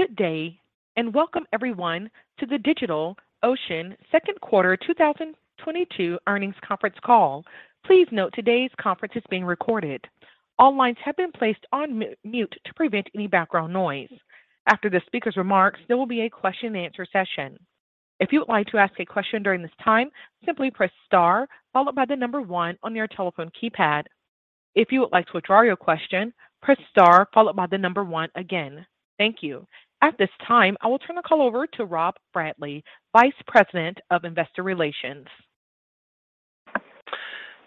Good day, and welcome everyone to the DigitalOcean second quarter 2022 earnings conference call. Please note today's conference is being recorded. All lines have been placed on mute to prevent any background noise. After the speaker's remarks, there will be a question and answer session. If you would like to ask a question during this time, simply press star followed by the number one on your telephone keypad. If you would like to withdraw your question, press star followed by the number one again. Thank you. At this time, I will turn the call over to Rob Bradley, Vice President of Investor Relations.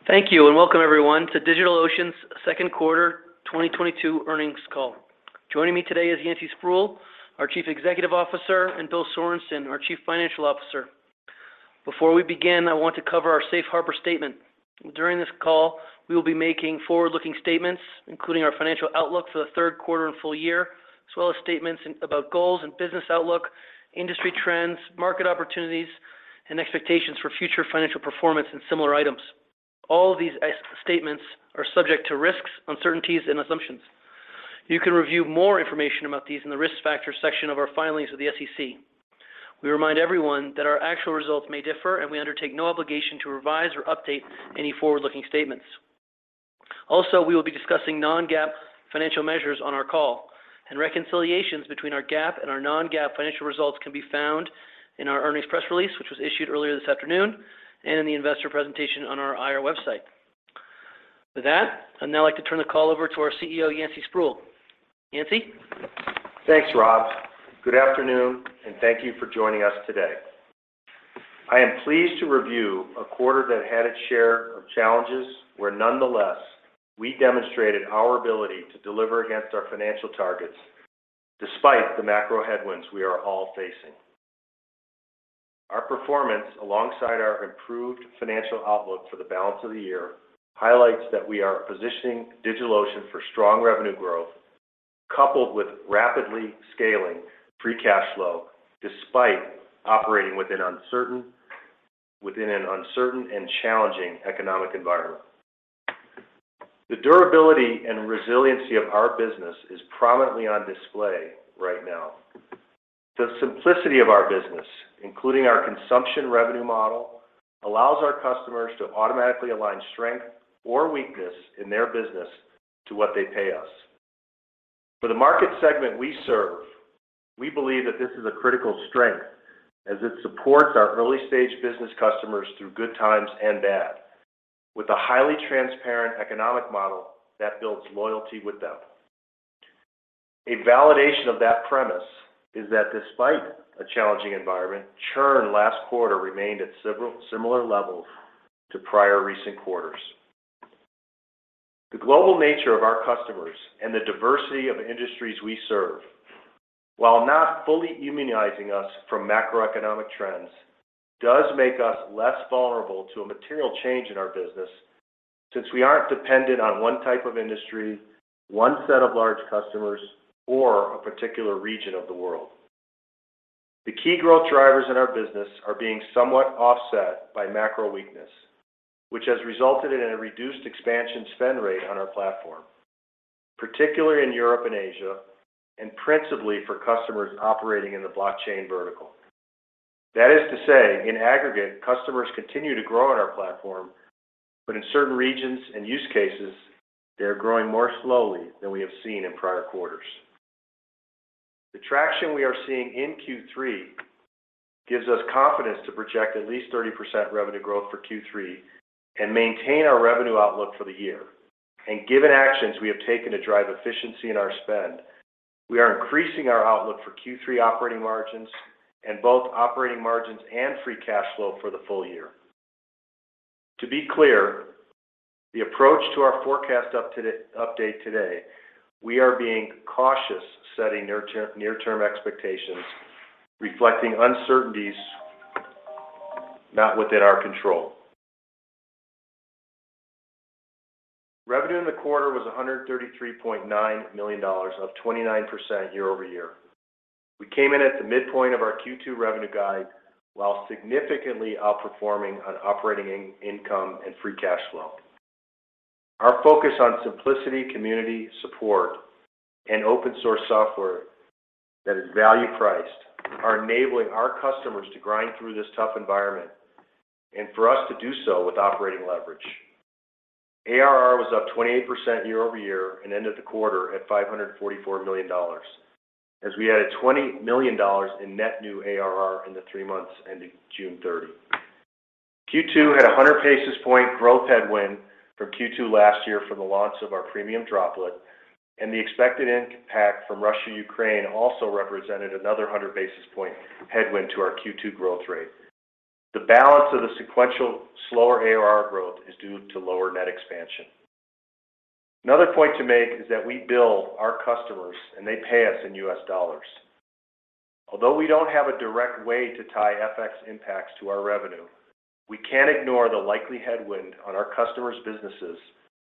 Thank you, and welcome everyone to DigitalOcean's second quarter 2022 earnings call. Joining me today is Yancey Spruill, our Chief Executive Officer, and Bill Sorenson, our Chief Financial Officer. Before we begin, I want to cover our safe harbor statement. During this call, we will be making forward-looking statements, including our financial outlook for the third quarter and full year, as well as statements about goals and business outlook, industry trends, market opportunities, and expectations for future financial performance and similar items. All of these statements are subject to risks, uncertainties, and assumptions. You can review more information about these in the Risk Factors section of our filings with the SEC. We remind everyone that our actual results may differ, and we undertake no obligation to revise or update any forward-looking statements. Also, we will be discussing non-GAAP financial measures on our call, and reconciliations between our GAAP and our non-GAAP financial results can be found in our earnings press release, which was issued earlier this afternoon, and in the investor presentation on our IR website. With that, I'd now like to turn the call over to our CEO, Yancey Spruill. Yancey? Thanks, Rob. Good afternoon, and thank you for joining us today. I am pleased to review a quarter that had its share of challenges, where nonetheless, we demonstrated our ability to deliver against our financial targets despite the macro headwinds we are all facing. Our performance, alongside our improved financial outlook for the balance of the year, highlights that we are positioning DigitalOcean for strong revenue growth, coupled with rapidly scaling free cash flow despite operating within an uncertain and challenging economic environment. The durability and resiliency of our business is prominently on display right now. The simplicity of our business, including our consumption revenue model, allows our customers to automatically align strength or weakness in their business to what they pay us. For the market segment we serve, we believe that this is a critical strength as it supports our early-stage business customers through good times and bad, with a highly transparent economic model that builds loyalty with them. A validation of that premise is that despite a challenging environment, churn last quarter remained at similar levels to prior recent quarters. The global nature of our customers and the diversity of industries we serve, while not fully immunizing us from macroeconomic trends, does make us less vulnerable to a material change in our business since we aren't dependent on one type of industry, one set of large customers, or a particular region of the world. The key growth drivers in our business are being somewhat offset by macro weakness, which has resulted in a reduced expansion spend rate on our platform, particularly in Europe and Asia, and principally for customers operating in the blockchain vertical. That is to say, in aggregate, customers continue to grow on our platform, but in certain regions and use cases, they are growing more slowly than we have seen in prior quarters. The traction we are seeing in Q3 gives us confidence to project at least 30% revenue growth for Q3 and maintain our revenue outlook for the year. Given actions we have taken to drive efficiency in our spend, we are increasing our outlook for Q3 operating margins and both operating margins and free cash flow for the full year. To be clear, the approach to our forecast update today, we are being cautious setting near-term expectations, reflecting uncertainties not within our control. Revenue in the quarter was $133.9 million, up 29% year-over-year. We came in at the midpoint of our Q2 revenue guide while significantly outperforming on operating income and free cash flow. Our focus on simplicity, community support, and open source software that is value-priced are enabling our customers to grind through this tough environment and for us to do so with operating leverage. ARR was up 28% year-over-year and ended the quarter at $544 million as we added $20 million in net new ARR in the three months ending June 30. Q2 had a 100 basis point growth headwind from Q2 last year from the launch of our Premium Droplet, and the expected impact from Russia-Ukraine also represented another 100 basis point headwind to our Q2 growth rate. The balance of the sequential slower ARR growth is due to lower net expansion. Another point to make is that we bill our customers, and they pay us in US dollars. Although we don't have a direct way to tie FX impacts to our revenue, we can't ignore the likely headwind on our customers' businesses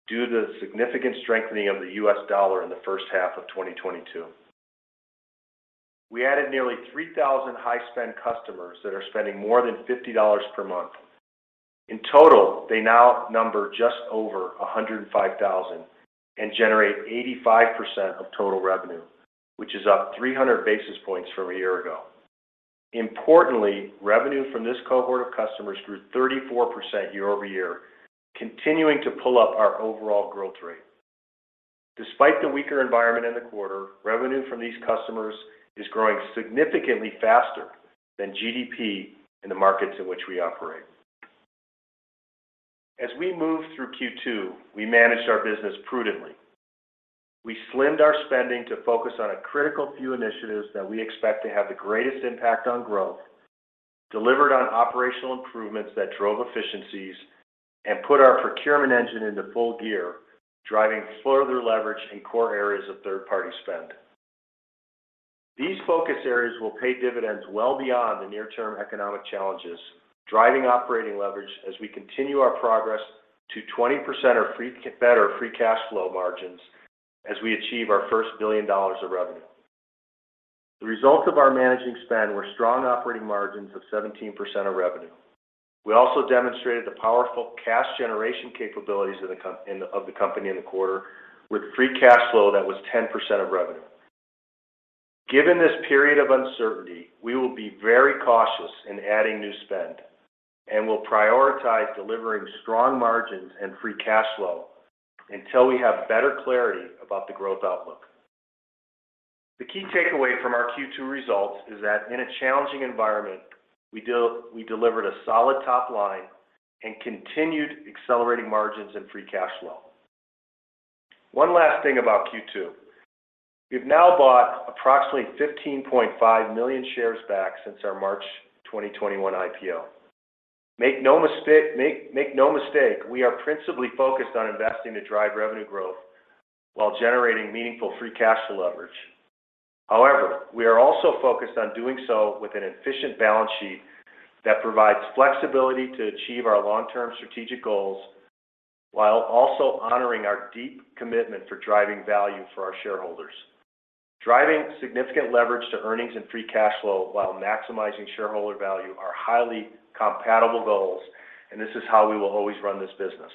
due to the significant strengthening of the US dollar in the first half of 2022. We added nearly 3,000 high-spend customers that are spending more than $50 per month. In total, they now number just over 105,000 and generate 85% of total revenue, which is up 300 basis points from a year ago. Importantly, revenue from this cohort of customers grew 34% year-over-year, continuing to pull up our overall growth rate. Despite the weaker environment in the quarter, revenue from these customers is growing significantly faster than GDP in the markets in which we operate. As we moved through Q2, we managed our business prudently. We slimmed our spending to focus on a critical few initiatives that we expect to have the greatest impact on growth, delivered on operational improvements that drove efficiencies, and put our procurement engine into full gear, driving further leverage in core areas of third-party spend. These focus areas will pay dividends well beyond the near-term economic challenges, driving operating leverage as we continue our progress to 20% or better free cash flow margins as we achieve our first $1 billion of revenue. The results of our managing spend were strong operating margins of 17% of revenue. We also demonstrated the powerful cash generation capabilities of the company in the quarter with free cash flow that was 10% of revenue. Given this period of uncertainty, we will be very cautious in adding new spend and will prioritize delivering strong margins and free cash flow until we have better clarity about the growth outlook. The key takeaway from our Q2 results is that in a challenging environment, we delivered a solid top line and continued accelerating margins and free cash flow. One last thing about Q2. We've now bought approximately 15.5 million shares back since our March 2021 IPO. Make no mistake, we are principally focused on investing to drive revenue growth while generating meaningful free cash flow leverage. However, we are also focused on doing so with an efficient balance sheet that provides flexibility to achieve our long-term strategic goals while also honoring our deep commitment for driving value for our shareholders. Driving significant leverage to earnings and free cash flow while maximizing shareholder value are highly compatible goals, and this is how we will always run this business.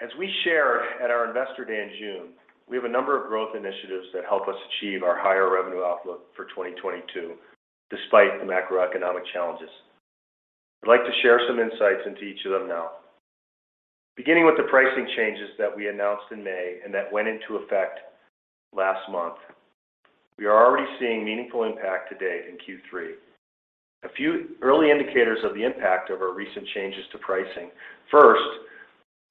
As we shared at our Investor Day in June, we have a number of growth initiatives that help us achieve our higher revenue outlook for 2022 despite the macroeconomic challenges. I'd like to share some insights into each of them now. Beginning with the pricing changes that we announced in May and that went into effect last month, we are already seeing meaningful impact to date in Q3. A few early indicators of the impact of our recent changes to pricing. First,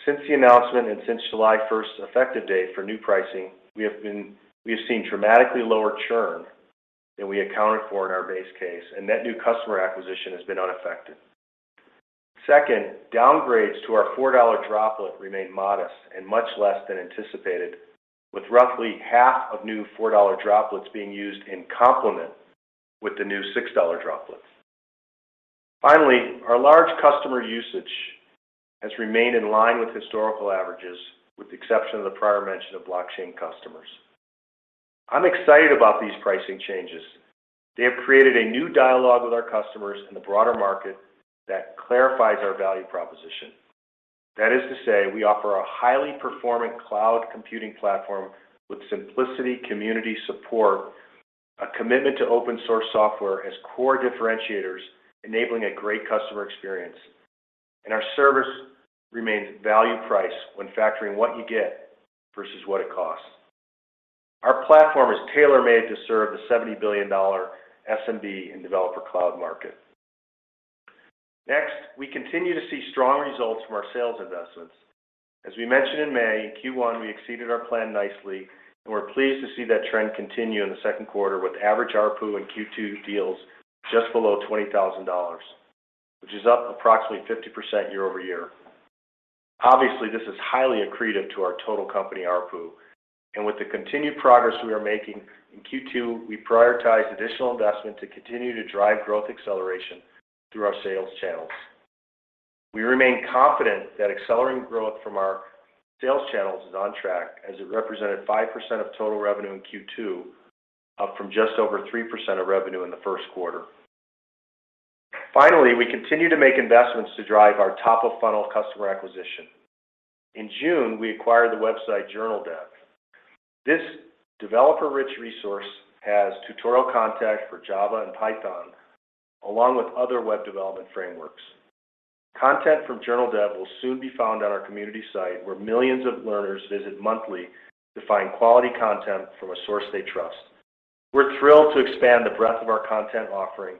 since the announcement and since July 1 effective date for new pricing, we have seen dramatically lower churn than we accounted for in our base case, and net new customer acquisition has been unaffected. Second, downgrades to our $4 Droplet remain modest and much less than anticipated, with roughly half of new $4 Droplets being used in complement with the new $6 Droplet. Finally, our large customer usage has remained in line with historical averages, with the exception of the prior mention of blockchain customers. I'm excited about these pricing changes. They have created a new dialogue with our customers in the broader market that clarifies our value proposition. That is to say, we offer a highly performant cloud computing platform with simplicity, community support, a commitment to open source software as core differentiators enabling a great customer experience. Our service remains value-priced when factoring what you get versus what it costs. Our platform is tailor-made to serve the $70 billion SMB and developer cloud market. Next, we continue to see strong results from our sales investments. As we mentioned in May, in Q1, we exceeded our plan nicely, and we're pleased to see that trend continue in the second quarter with average ARPU in Q2 deals just below $20,000, which is up approximately 50% year-over-year. Obviously, this is highly accretive to our total company ARPU. With the continued progress we are making in Q2, we prioritized additional investment to continue to drive growth acceleration through our sales channels. We remain confident that accelerating growth from our sales channels is on track as it represented 5% of total revenue in Q2, up from just over 3% of revenue in the first quarter. Finally, we continue to make investments to drive our top-of-funnel customer acquisition. In June, we acquired the website JournalDev. This developer-rich resource has tutorial content for Java and Python along with other web development frameworks. Content from JournalDev will soon be found on our community site, where millions of learners visit monthly to find quality content from a source they trust. We're thrilled to expand the breadth of our content offering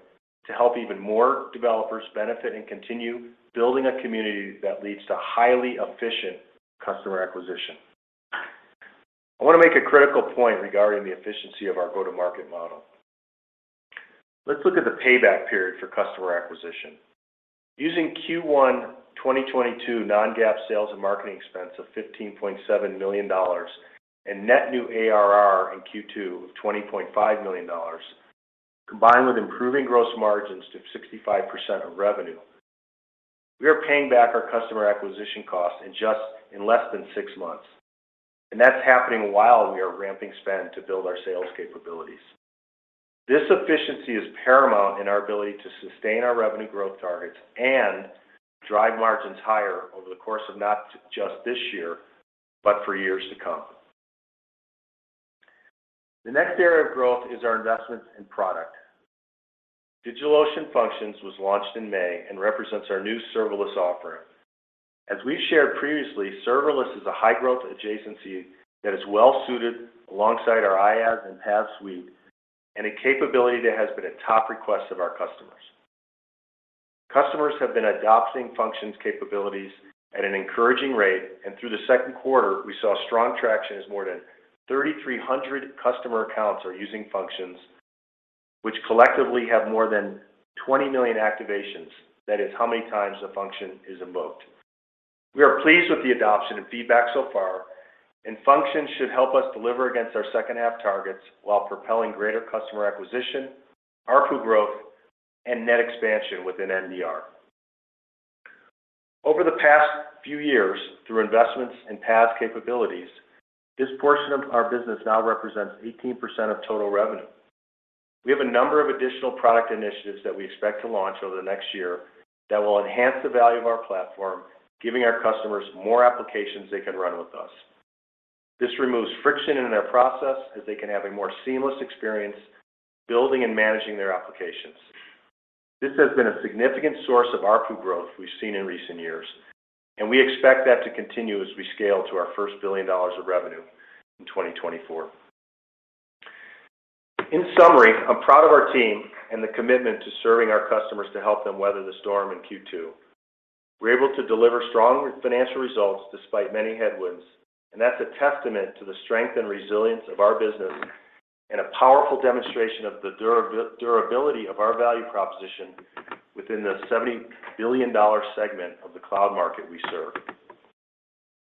to help even more developers benefit and continue building a community that leads to highly efficient customer acquisition. I want to make a critical point regarding the efficiency of our go-to-market model. Let's look at the payback period for customer acquisition. Using Q1 2022 non-GAAP sales and marketing expense of $15.7 million and net new ARR in Q2 of $20.5 million, combined with improving gross margins to 65% of revenue. We are paying back our customer acquisition costs in just less than six months, and that's happening while we are ramping spend to build our sales capabilities. This efficiency is paramount in our ability to sustain our revenue growth targets and drive margins higher over the course of not just this year, but for years to come. The next area of growth is our investments in product. DigitalOcean Functions was launched in May and represents our new serverless offering. As we shared previously, serverless is a high-growth adjacency that is well suited alongside our IaaS and PaaS suite and a capability that has been a top request of our customers. Customers have been adopting Functions capabilities at an encouraging rate, and through the second quarter, we saw strong traction as more than 3,300 customer accounts are using Functions, which collectively have more than 20 million activations. That is how many times the function is invoked. We are pleased with the adoption and feedback so far, and Functions should help us deliver against our second-half targets while propelling greater customer acquisition, ARPU growth, and net expansion within NDR. Over the past few years, through investments in PaaS capabilities, this portion of our business now represents 18% of total revenue. We have a number of additional product initiatives that we expect to launch over the next year that will enhance the value of our platform, giving our customers more applications they can run with us. This removes friction in their process as they can have a more seamless experience building and managing their applications. This has been a significant source of ARPU growth we've seen in recent years, and we expect that to continue as we scale to our first $1 billion of revenue in 2024. In summary, I'm proud of our team and the commitment to serving our customers to help them weather the storm in Q2. We're able to deliver strong financial results despite many headwinds, and that's a testament to the strength and resilience of our business and a powerful demonstration of the durability of our value proposition within the $70 billion segment of the cloud market we serve.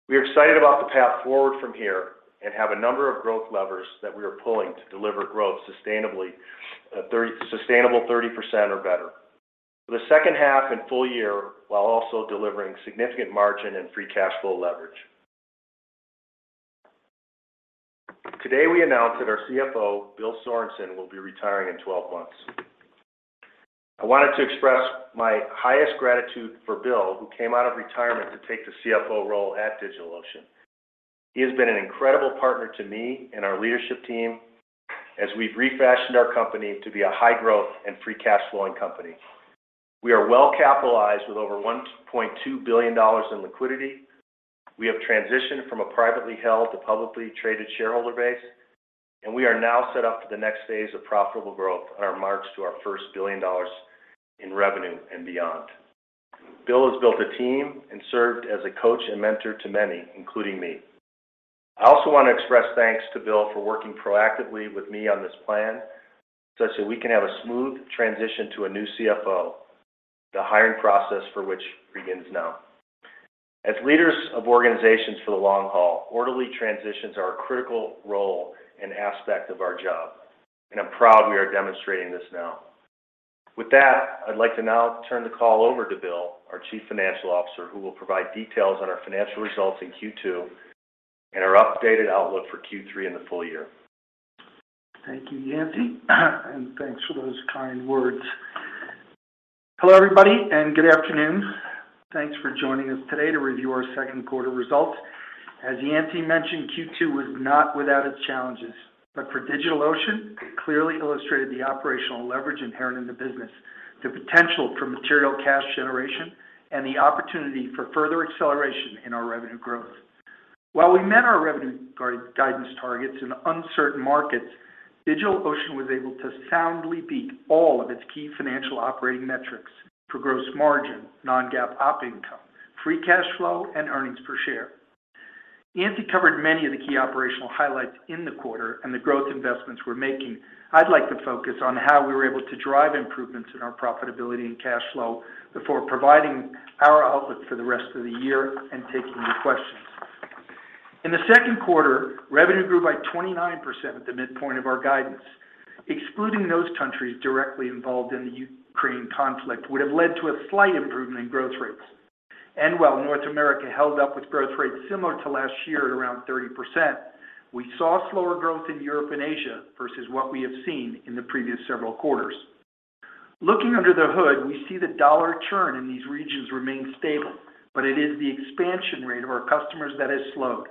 We are excited about the path forward from here and have a number of growth levers that we are pulling to deliver growth sustainably, sustainable 30% or better for the second half and full year, while also delivering significant margin and free cash flow leverage. Today, we announced that our CFO, Bill Sorenson, will be retiring in 12 months. I wanted to express my highest gratitude for Bill, who came out of retirement to take the CFO role at DigitalOcean. He has been an incredible partner to me and our leadership team as we've refashioned our company to be a high-growth and free cash flowing company. We are well-capitalized with over $1.2 billion in liquidity. We have transitioned from a privately held to publicly traded shareholder base, and we are now set up for the next phase of profitable growth on our march to our $1 billion in revenue and beyond. Bill has built a team and served as a coach and mentor to many, including me. I also want to express thanks to Bill for working proactively with me on this plan such that we can have a smooth transition to a new CFO, the hiring process for which begins now. As leaders of organizations for the long haul, orderly transitions are a critical role and aspect of our job, and I'm proud we are demonstrating this now. With that, I'd like to now turn the call over to Bill, our Chief Financial Officer, who will provide details on our financial results in Q2 and our updated outlook for Q3 and the full year. Thank you, Yancey, and thanks for those kind words. Hello, everybody, and good afternoon. Thanks for joining us today to review our second quarter results. As Yancey mentioned, Q2 was not without its challenges, but for DigitalOcean, it clearly illustrated the operational leverage inherent in the business, the potential for material cash generation, and the opportunity for further acceleration in our revenue growth. While we met our revenue guidance targets in uncertain markets, DigitalOcean was able to soundly beat all of its key financial operating metrics for gross margin, non-GAAP op income, free cash flow, and earnings per share. Yancey covered many of the key operational highlights in the quarter and the growth investments we're making. I'd like to focus on how we were able to drive improvements in our profitability and cash flow before providing our outlook for the rest of the year and taking your questions. In the second quarter, revenue grew by 29% at the midpoint of our guidance. Excluding those countries directly involved in the Ukraine conflict would have led to a slight improvement in growth rates. While North America held up with growth rates similar to last year at around 30%, we saw slower growth in Europe and Asia versus what we have seen in the previous several quarters. Looking under the hood, we see the dollar churn in these regions remain stable, but it is the expansion rate of our customers that has slowed.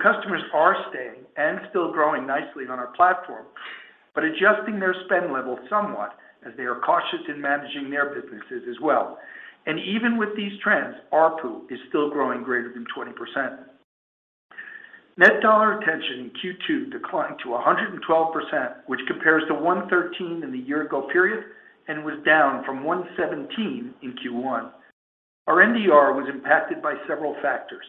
Customers are staying and still growing nicely on our platform, but adjusting their spend level somewhat as they are cautious in managing their businesses as well. Even with these trends, ARPU is still growing greater than 20%. Net dollar retention in Q2 declined to 112%, which compares to 113% in the year-ago period and was down from 117% in Q1. Our NDR was impacted by several factors,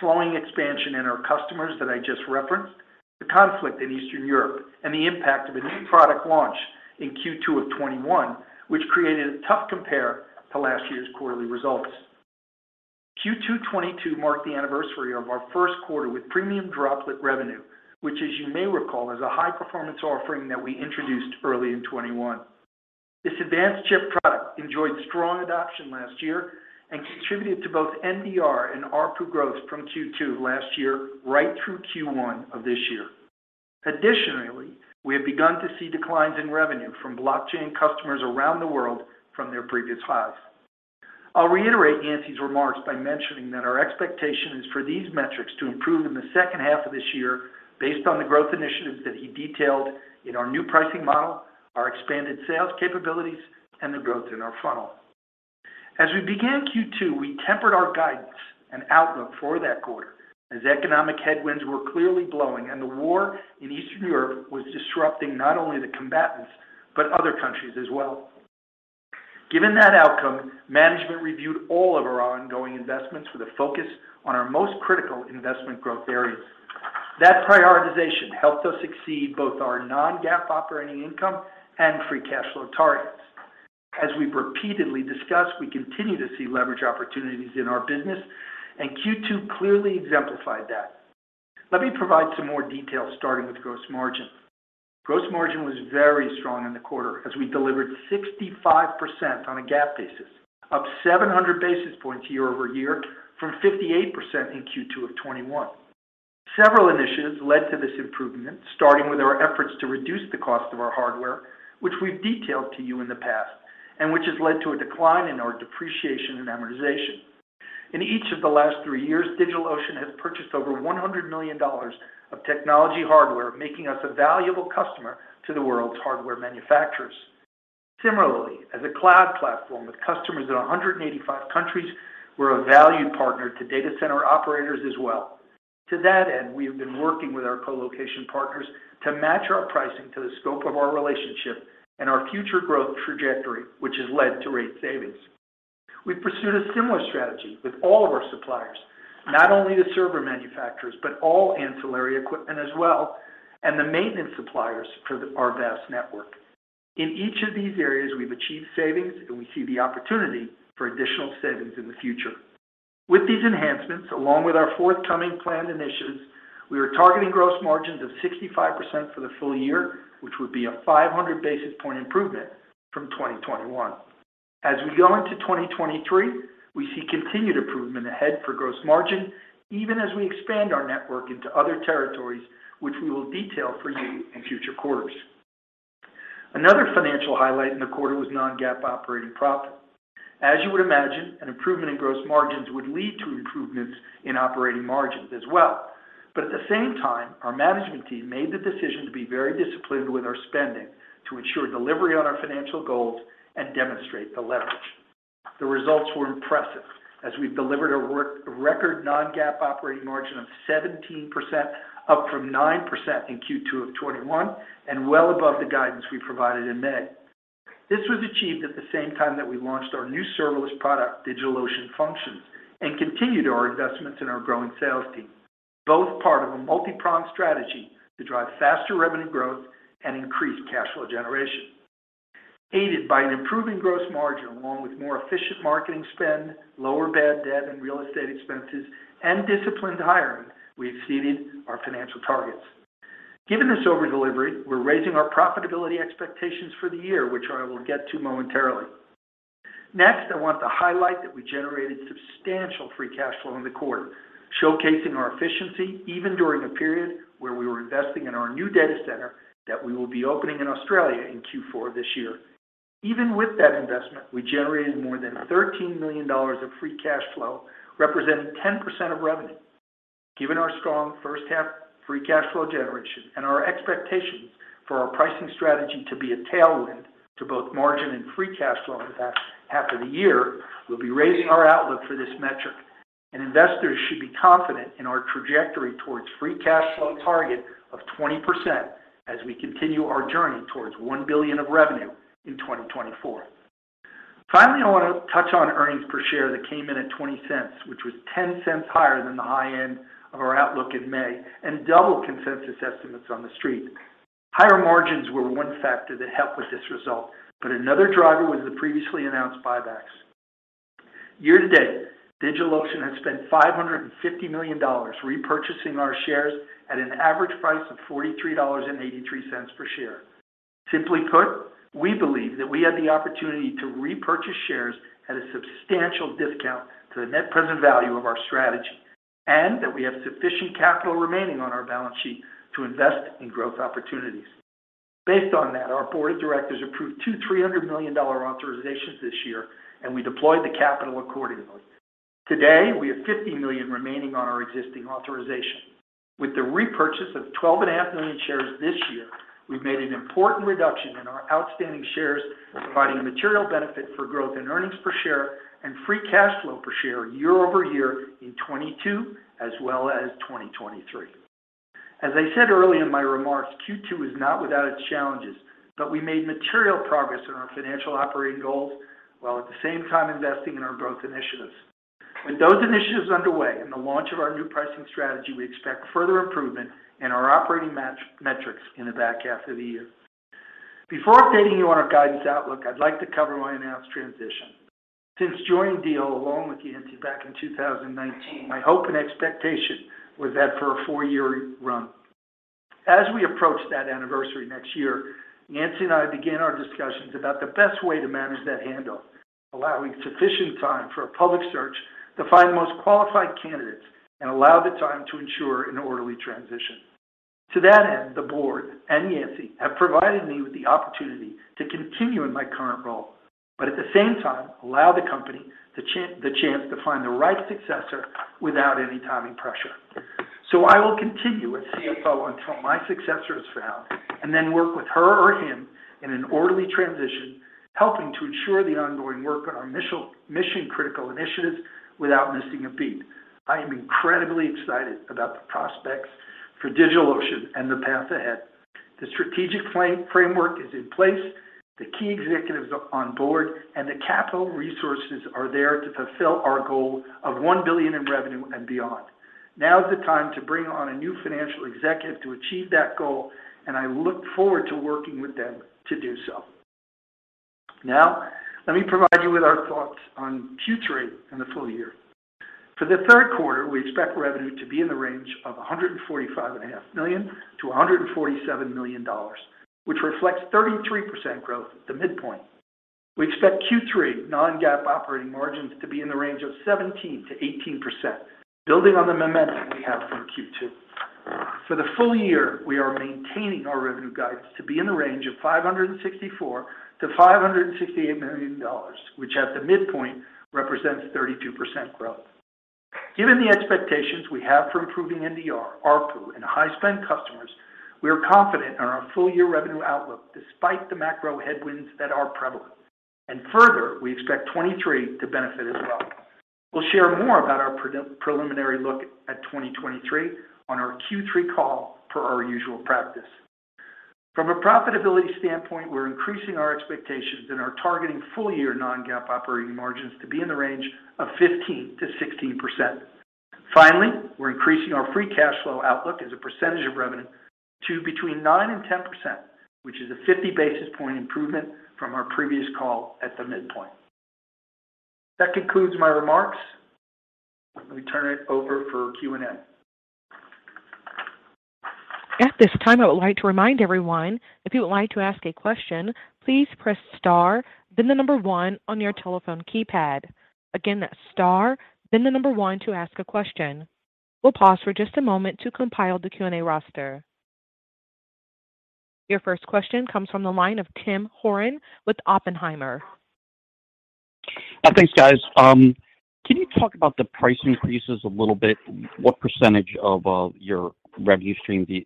slowing expansion in our customers that I just referenced, the conflict in Eastern Europe, and the impact of a new product launch in Q2 of 2021, which created a tough compare to last year's quarterly results. Q2 2022 marked the anniversary of our first quarter with Premium Droplet revenue, which as you may recall, is a high-performance offering that we introduced early in 2021. This advanced chip product enjoyed strong adoption last year and contributed to both NDR and ARPU growth from Q2 last year right through Q1 of this year. Additionally, we have begun to see declines in revenue from blockchain customers around the world from their previous highs. I'll reiterate Yancey's remarks by mentioning that our expectation is for these metrics to improve in the second half of this year based on the growth initiatives that he detailed in our new pricing model, our expanded sales capabilities, and the growth in our funnel. As we began Q2, we tempered our guidance and outlook for that quarter as economic headwinds were clearly blowing and the war in Eastern Europe was disrupting not only the combatants, but other countries as well. Given that outcome, management reviewed all of our ongoing investments with a focus on our most critical investment growth areas. That prioritization helped us exceed both our non-GAAP operating income and free cash flow targets. As we've repeatedly discussed, we continue to see leverage opportunities in our business, and Q2 clearly exemplified that. Let me provide some more detail starting with gross margin. Gross margin was very strong in the quarter as we delivered 65% on a GAAP basis, up 700 basis points year over year from 58% in Q2 of 2021. Several initiatives led to this improvement, starting with our efforts to reduce the cost of our hardware, which we've detailed to you in the past, and which has led to a decline in our depreciation and amortization. In each of the last three years, DigitalOcean has purchased over $100 million of technology hardware, making us a valuable customer to the world's hardware manufacturers. Similarly, as a cloud platform with customers in 185 countries, we're a valued partner to data center operators as well. To that end, we have been working with our colocation partners to match our pricing to the scope of our relationship and our future growth trajectory, which has led to rate savings. We pursued a similar strategy with all of our suppliers, not only the server manufacturers, but all ancillary equipment as well, and the maintenance suppliers for our vast network. In each of these areas, we've achieved savings, and we see the opportunity for additional savings in the future. With these enhancements, along with our forthcoming planned initiatives, we are targeting gross margins of 65% for the full year, which would be a 500 basis point improvement from 2021. As we go into 2023, we see continued improvement ahead for gross margin, even as we expand our network into other territories, which we will detail for you in future quarters. Another financial highlight in the quarter was non-GAAP operating profit. As you would imagine, an improvement in gross margins would lead to improvements in operating margins as well. At the same time, our management team made the decision to be very disciplined with our spending to ensure delivery on our financial goals and demonstrate the leverage. The results were impressive as we've delivered a record non-GAAP operating margin of 17%, up from 9% in Q2 of 2021, and well above the guidance we provided in May. This was achieved at the same time that we launched our new serverless product, DigitalOcean Functions, and continued our investments in our growing sales team, both part of a multi-pronged strategy to drive faster revenue growth and increase cash flow generation. Aided by an improving gross margin, along with more efficient marketing spend, lower bad debt and real estate expenses, and disciplined hiring, we exceeded our financial targets. Given this over-delivery, we're raising our profitability expectations for the year, which I will get to momentarily. Next, I want to highlight that we generated substantial free cash flow in the quarter, showcasing our efficiency even during a period where we were investing in our new data center that we will be opening in Australia in Q4 this year. Even with that investment, we generated more than $13 million of free cash flow, representing 10% of revenue. Given our strong first half free cash flow generation and our expectations for our pricing strategy to be a tailwind to both margin and free cash flow in the back half of the year, we'll be raising our outlook for this metric. Investors should be confident in our trajectory towards free cash flow target of 20% as we continue our journey towards $1 billion of revenue in 2024. Finally, I want to touch on earnings per share that came in at $0.20, which was $0.10 higher than the high end of our outlook in May and double consensus estimates on the street. Higher margins were one factor that helped with this result, but another driver was the previously announced buybacks. Year to date, DigitalOcean has spent $550 million repurchasing our shares at an average price of $43.83 per share. Simply put, we believe that we had the opportunity to repurchase shares at a substantial discount to the net present value of our strategy, and that we have sufficient capital remaining on our balance sheet to invest in growth opportunities. Based on that, our board of directors approved two $300 million authorizations this year, and we deployed the capital accordingly. Today, we have $50 million remaining on our existing authorization. With the repurchase of 12.5 million shares this year, we've made an important reduction in our outstanding shares, providing a material benefit for growth in earnings per share and free cash flow per share year-over-year in 2022 as well as 2023. As I said early in my remarks, Q2 is not without its challenges, but we made material progress in our financial operating goals while at the same time investing in our growth initiatives. With those initiatives underway and the launch of our new pricing strategy, we expect further improvement in our operating metrics in the back half of the year. Before updating you on our guidance outlook, I'd like to cover my announced transition. Since joining DO along with Yancey back in 2019, my hope and expectation was that for a four-year run. As we approach that anniversary next year, Yancey and I began our discussions about the best way to manage that handoff, allowing sufficient time for a public search to find the most qualified candidates and allow the time to ensure an orderly transition. To that end, the board and Yancey have provided me with the opportunity to continue in my current role, but at the same time allow the company the chance to find the right successor without any timing pressure. I will continue as CFO until my successor is found, and then work with her or him in an orderly transition, helping to ensure the ongoing work on our mission-critical initiatives without missing a beat. I am incredibly excited about the prospects for DigitalOcean and the path ahead. The strategic framework is in place, the key executives are on board, and the capital resources are there to fulfill our goal of $1 billion in revenue and beyond. Now is the time to bring on a new financial executive to achieve that goal, and I look forward to working with them to do so. Now, let me provide you with our thoughts on Q3 and the full year. For the third quarter, we expect revenue to be in the range of $145.5 million-$147 million, which reflects 33% growth at the midpoint. We expect Q3 non-GAAP operating margins to be in the range of 17%-18%, building on the momentum we have from Q2. For the full year, we are maintaining our revenue guidance to be in the range of $564 million-$568 million, which at the midpoint represents 32% growth. Given the expectations we have for improving NDR, ARPU, and high-spend customers, we are confident in our full-year revenue outlook despite the macro headwinds that are prevalent. Further, we expect 2023 to benefit as well. We'll share more about our preliminary look at 2023 on our Q3 call per our usual practice. From a profitability standpoint, we're increasing our expectations and are targeting full-year non-GAAP operating margins to be in the range of 15%-16%. Finally, we're increasing our free cash flow outlook as a percentage of revenue to between 9% and 10%, which is a 50 basis point improvement from our previous call at the midpoint. That concludes my remarks. Let me turn it over for Q&A. At this time, I would like to remind everyone, if you would like to ask a question, please press star, then the number 1 on your telephone keypad. Again, that's star, then the number 1 to ask a question. We'll pause for just a moment to compile the Q&A roster. Your first question comes from the line of Tim Horan with Oppenheimer. Thanks, guys. Can you talk about the price increases a little bit? What percentage of your revenue stream do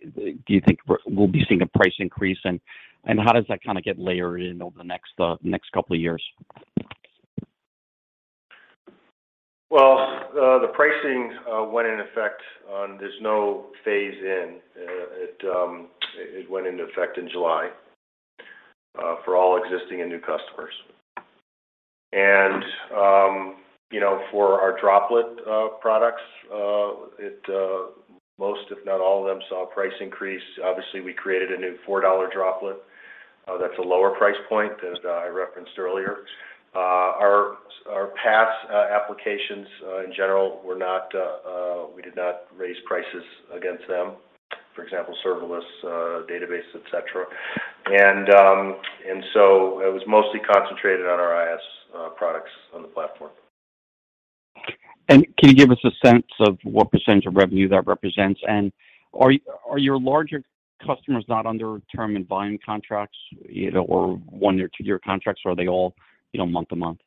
you think we'll be seeing a price increase? How does that kind of get layered in over the next couple of years? The pricing went into effect. There's no phase in. It went into effect in July for all existing and new customers. You know, for our Droplet products, most, if not all of them, saw a price increase. Obviously, we created a new $4 Droplet that's a lower price point, as I referenced earlier. Our PaaS applications in general were not. We did not raise prices against them. For example, serverless databases, et cetera. It was mostly concentrated on our IaaS products on the platform. Can you give us a sense of what percentage of revenue that represents? Are your larger customers not under term and volume contracts, you know, or one-year, two-year contracts? Or are they all, you know, month to month?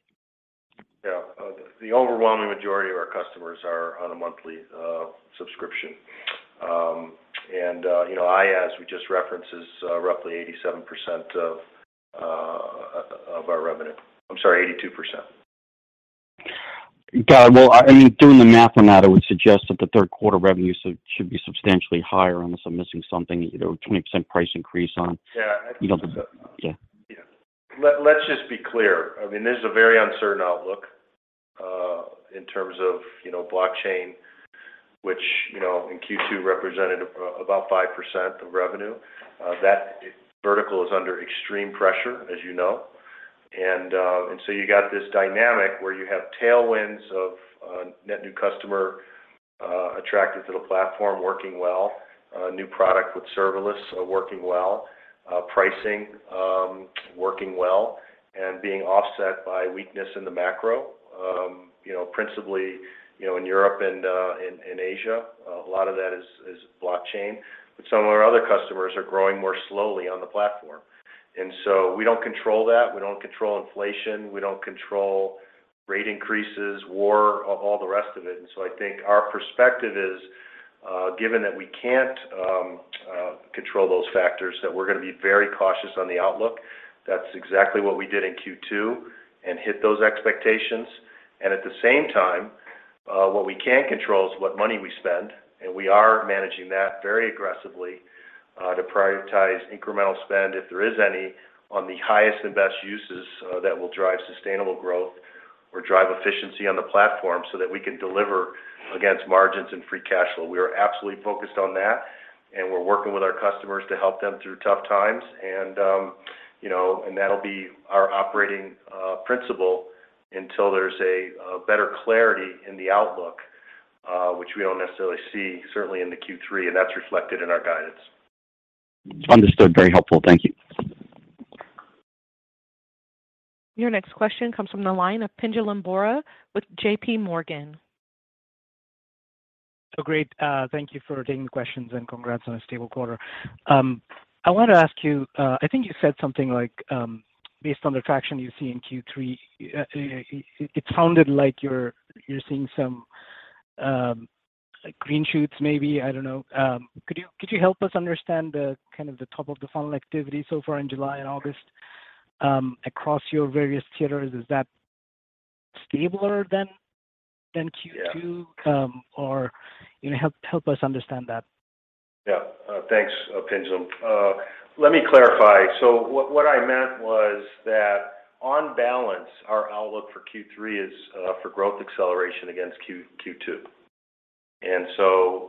Yeah. The overwhelming majority of our customers are on a monthly subscription. You know, IaaS, we just referenced, is roughly 87% of our revenue. I'm sorry, 82%. Got it. Well, I mean, doing the math on that, it would suggest that the third quarter revenue should be substantially higher unless I'm missing something, you know, 20% price increase on- Yeah. You know, yeah. Yeah. Let's just be clear. I mean, this is a very uncertain outlook in terms of you know, blockchain, which you know, in Q2 represented about 5% of revenue. That vertical is under extreme pressure, as you know. You got this dynamic where you have tailwinds of net new customer attracted to the platform working well, a new product with serverless working well, pricing working well, and being offset by weakness in the macro you know, principally you know, in Europe and in Asia. A lot of that is blockchain. Some of our other customers are growing more slowly on the platform. We don't control that. We don't control inflation. We don't control rate increases, war, all the rest of it. I think our perspective is, given that we can't control those factors, that we're gonna be very cautious on the outlook. That's exactly what we did in Q2 and hit those expectations. At the same time, what we can control is what money we spend, and we are managing that very aggressively to prioritize incremental spend, if there is any, on the highest and best uses that will drive sustainable growth. Drive efficiency on the platform so that we can deliver against margins and free cash flow. We are absolutely focused on that, and we're working with our customers to help them through tough times. You know, that'll be our operating principle until there's a better clarity in the outlook, which we don't necessarily see certainly in the Q3, and that's reflected in our guidance. Understood. Very helpful. Thank you. Your next question comes from the line of Pinjalim Bora with JP Morgan. Oh, great. Thank you for taking the questions, and congrats on a stable quarter. I wanted to ask you, I think you said something like, based on the traction you see in Q3, it sounded like you're seeing some, like, green shoots maybe, I don't know. Could you help us understand the kind of the top of the funnel activity so far in July and August, across your various theaters? Is that stabler than Q2? Yeah. You know, help us understand that. Yeah. Thanks, Pinjalim. Let me clarify. What I meant was that on balance, our outlook for Q3 is for growth acceleration against Q2.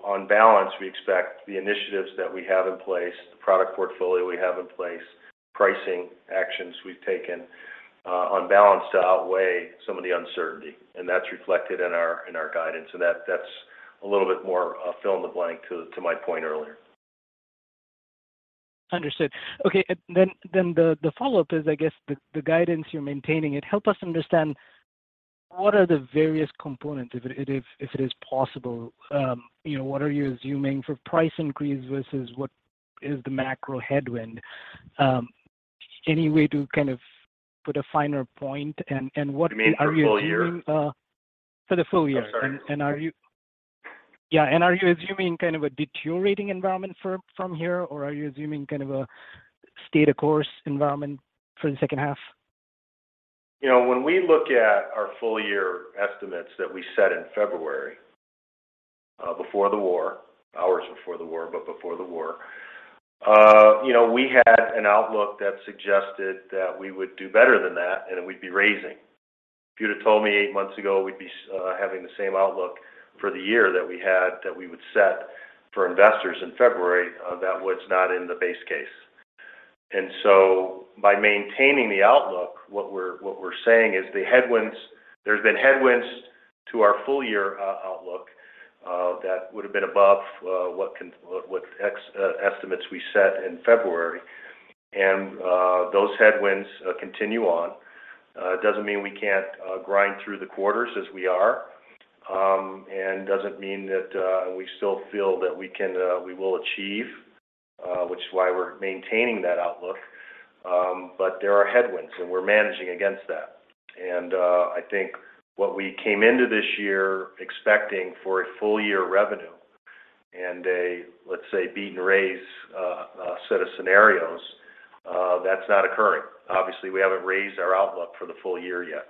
On balance, we expect the initiatives that we have in place, the product portfolio we have in place, pricing actions we've taken, on balance to outweigh some of the uncertainty, and that's reflected in our guidance. That's a little bit more fill in the blank to my point earlier. Understood. Okay. The follow-up is, I guess, the guidance you're maintaining it. Help us understand what are the various components if it is possible. You know, what are you assuming for price increase versus what is the macro headwind? Any way to kind of put a finer point and what are you assuming. You mean for full year? For the full year. I'm sorry. Are you assuming kind of a deteriorating environment from here, or are you assuming kind of a stay the course environment for the second half? You know, when we look at our full year estimates that we set in February, before the war, hours before the war, but before the war, you know, we had an outlook that suggested that we would do better than that and that we'd be raising. If you'd have told me eight months ago we'd be having the same outlook for the year that we had that we would set for investors in February, that was not in the base case. By maintaining the outlook, what we're saying is the headwinds, there's been headwinds to our full year outlook that would have been above what estimates we set in February. Those headwinds continue on. It doesn't mean we can't grind through the quarters as we are. It doesn't mean that we still feel that we will achieve, which is why we're maintaining that outlook. There are headwinds, and we're managing against that. I think what we came into this year expecting for a full year revenue and a, let's say, beat and raise set of scenarios, that's not occurring. Obviously, we haven't raised our outlook for the full year yet.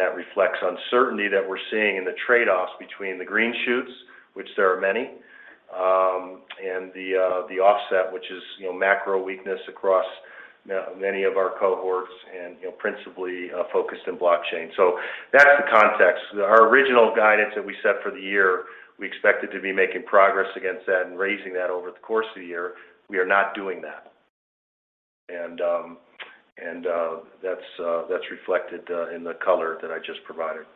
That reflects uncertainty that we're seeing in the trade-offs between the green shoots, which there are many, and the offset, which is, you know, macro weakness across many of our cohorts and, you know, principally focused in blockchain. That's the context. Our original guidance that we set for the year, we expected to be making progress against that and raising that over the course of the year. We are not doing that. That's reflected in the color that I just provided.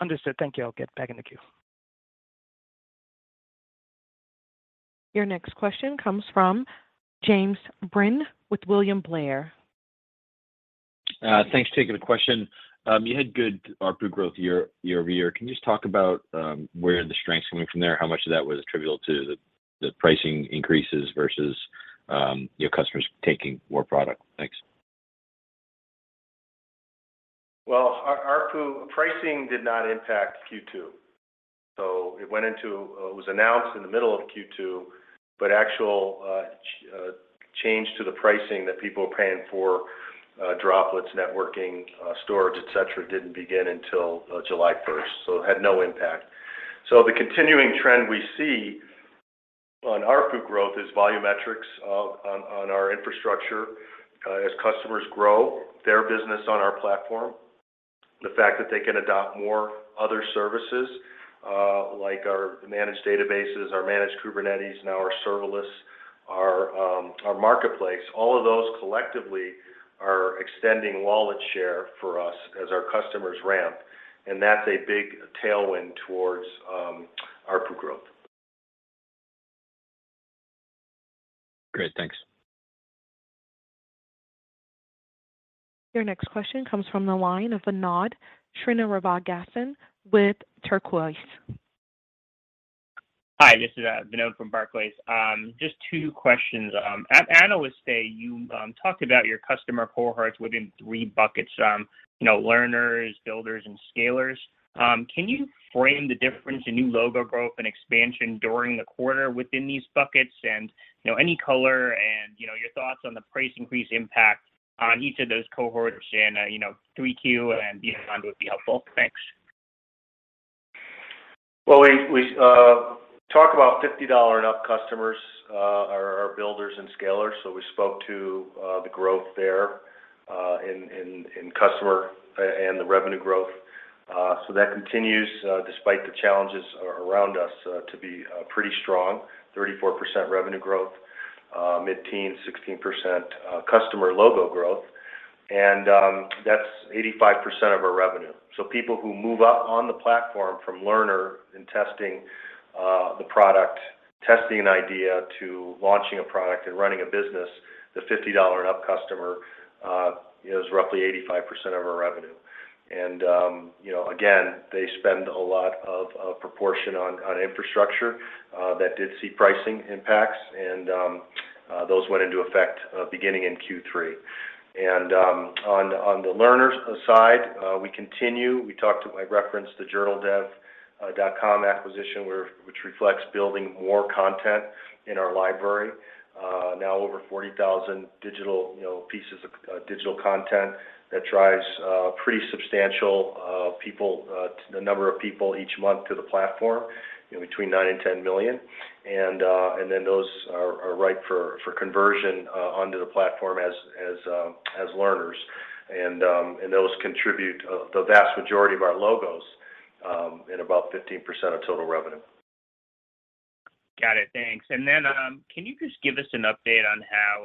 Understood. Thank you. I'll get back in the queue. Your next question comes from James Breen with William Blair. Thanks. Taking the question. You had good ARPU growth year over year. Can you just talk about where the strength's coming from there? How much of that was attributable to the pricing increases versus your customers taking more product? Thanks. Well, our ARPU pricing did not impact Q2. It was announced in the middle of Q2, but actual change to the pricing that people were paying for, Droplets, networking, storage, etc., didn't begin until July first, so it had no impact. The continuing trend we see on ARPU growth is volumetrics on our infrastructure. As customers grow their business on our platform, the fact that they can adopt more other services, like our managed databases, our managed Kubernetes, now our serverless, our Marketplace, all of those collectively are extending wallet share for us as our customers ramp, and that's a big tailwind towards ARPU growth. Great. Thanks. Your next question comes from the line of Vinod Srinivasaraghavan with Barclays. Hi, this is Vinod from Barclays. Just two questions. Analysts say you talk about your customer cohorts within three buckets, you know, learners, builders, and scalers. Can you frame the difference in new logo growth and expansion during the quarter within these buckets? You know, any color and, you know, your thoughts on the price increase impact on each of those cohorts and, you know, three Q and beyond would be helpful. Thanks. Well, we talk about $50 and up customers, our builders and scalers. We spoke to the growth there in customer and the revenue growth. That continues despite the challenges around us to be pretty strong, 34% revenue growth, mid-teens 16% customer logo growth, and that's 85% of our revenue. People who move up on the platform from learners in testing the product, testing an idea to launching a product and running a business, the $50 and up customer is roughly 85% of our revenue. You know, again, they spend a large proportion on infrastructure that did see pricing impacts and those went into effect beginning in Q3. On the learner's side, I referenced the JournalDev acquisition which reflects building more content in our library. Now over 40,000 digital pieces of digital content that drives pretty substantial number of people each month to the platform, you know, between 9-10 million. Then those are ripe for conversion onto the platform as learners. And those contribute the vast majority of our logos and about 15% of total revenue. Got it. Thanks. Can you just give us an update on how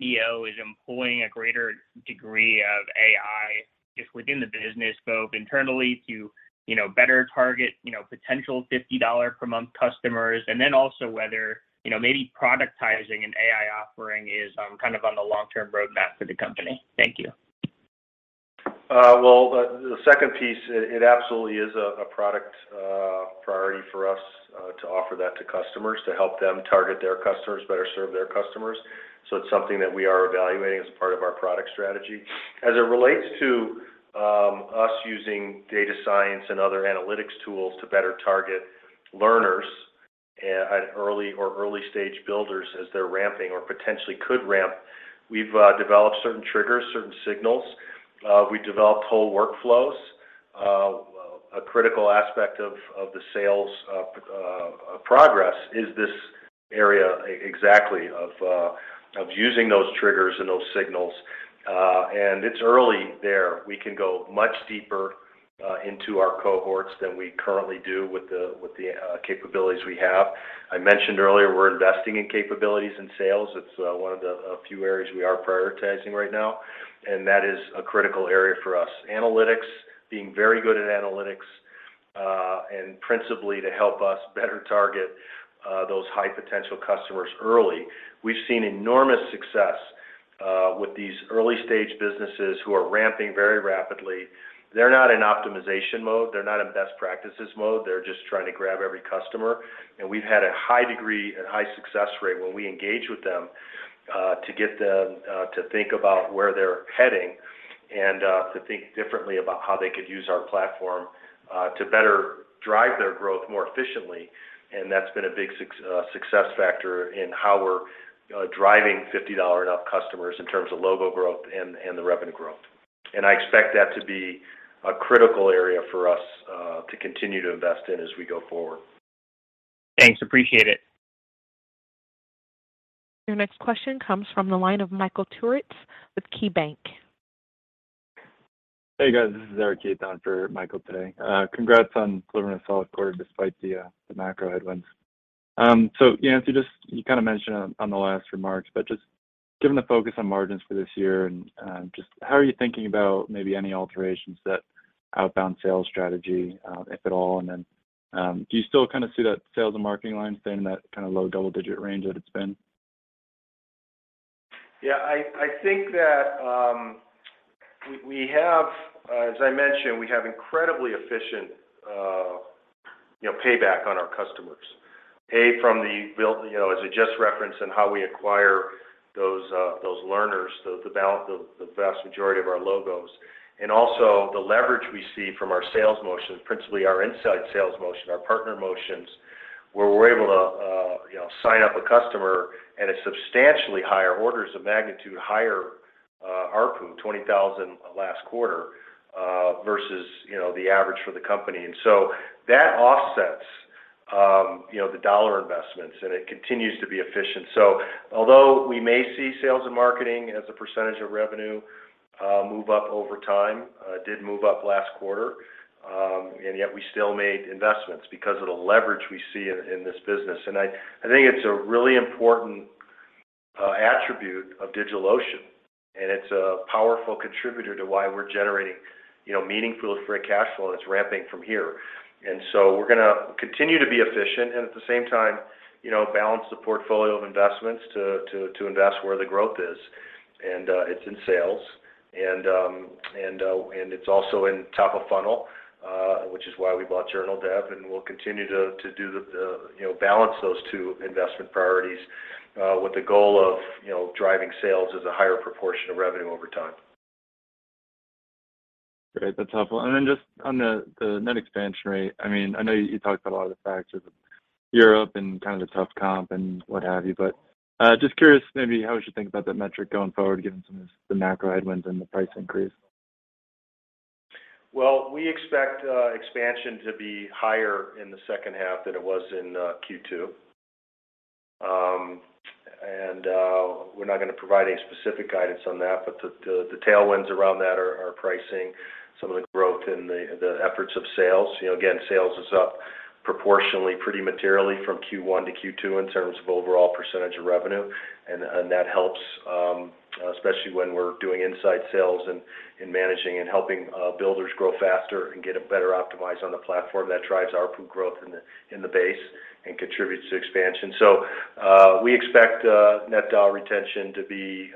DO is employing a greater degree of AI just within the business scope internally to, you know, better target, you know, potential $50 per month customers? Also whether, you know, maybe productizing an AI offering is kind of on the long-term roadmap for the company. Thank you. Well, the second piece, it absolutely is a product priority for us to offer that to customers to help them target their customers, better serve their customers. It's something that we are evaluating as part of our product strategy. As it relates to us using data science and other analytics tools to better target learners and early-stage builders as they're ramping or potentially could ramp, we've developed certain triggers, certain signals. We've developed whole workflows. A critical aspect of the sales progress is this area exactly of using those triggers and those signals. It's early there. We can go much deeper into our cohorts than we currently do with the capabilities we have. I mentioned earlier we're investing in capabilities in sales. It's a few areas we are prioritizing right now, and that is a critical area for us. Analytics, being very good at analytics, and principally to help us better target those high-potential customers early. We've seen enormous success with these early-stage businesses who are ramping very rapidly. They're not in optimization mode. They're not in best practices mode. They're just trying to grab every customer. We've had a high degree and high success rate when we engage with them to get them to think about where they're heading and to think differently about how they could use our platform to better drive their growth more efficiently. That's been a big success factor in how we're driving $50 and up customers in terms of logo growth and the revenue growth. I expect that to be a critical area for us to continue to invest in as we go forward. Thanks. Appreciate it. Your next question comes from the line of Michael Turits with KeyBanc. Hey, guys. This is Eric Heath for Michael today. Congrats on delivering a solid quarter despite the macro headwinds. Yancey, you kinda mentioned on the last remarks, but just given the focus on margins for this year and just how are you thinking about maybe any alterations to that outbound sales strategy, if at all? Then, do you still kind of see that sales and marketing line staying in that kind of low double-digit range that it's been? Yeah. I think that we have, as I mentioned, we have incredibly efficient, you know, payback on our customers. From the build, you know, as I just referenced in how we acquire those learners, the vast majority of our logos. Also the leverage we see from our sales motions, principally our inside sales motion, our partner motions, where we're able to, you know, sign up a customer at a substantially higher orders of magnitude higher, ARPU, $20,000 last quarter, versus, you know, the average for the company. That offsets, you know, the dollar investments, and it continues to be efficient. Although we may see sales and marketing as a percentage of revenue move up over time, it did move up last quarter, and yet we still made investments because of the leverage we see in this business. I think it's a really important attribute of DigitalOcean, and it's a powerful contributor to why we're generating, you know, meaningful free cash flow, and it's ramping from here. We're gonna continue to be efficient and at the same time, you know, balance the portfolio of investments to invest where the growth is. It's in sales and it's also in top of funnel, which is why we bought JournalDev, and we'll continue to, you know, balance those two investment priorities with the goal of, you know, driving sales as a higher proportion of revenue over time. Great. That's helpful. Then just on the net expansion rate, I mean, I know you talked about a lot of the factors of Europe and kind of the tough comp and what have you, but just curious maybe how we should think about that metric going forward given some of the macro headwinds and the price increase. Well, we expect expansion to be higher in the second half than it was in Q2. We're not gonna provide any specific guidance on that, but the tailwinds around that are pricing some of the growth and the efforts of sales. You know, again, sales is up proportionally pretty materially from Q1 to Q2 in terms of overall percentage of revenue. That helps especially when we're doing inside sales and managing and helping builders grow faster and get better optimized on the platform that drives ARPU growth in the base and contributes to expansion. We expect net dollar retention to be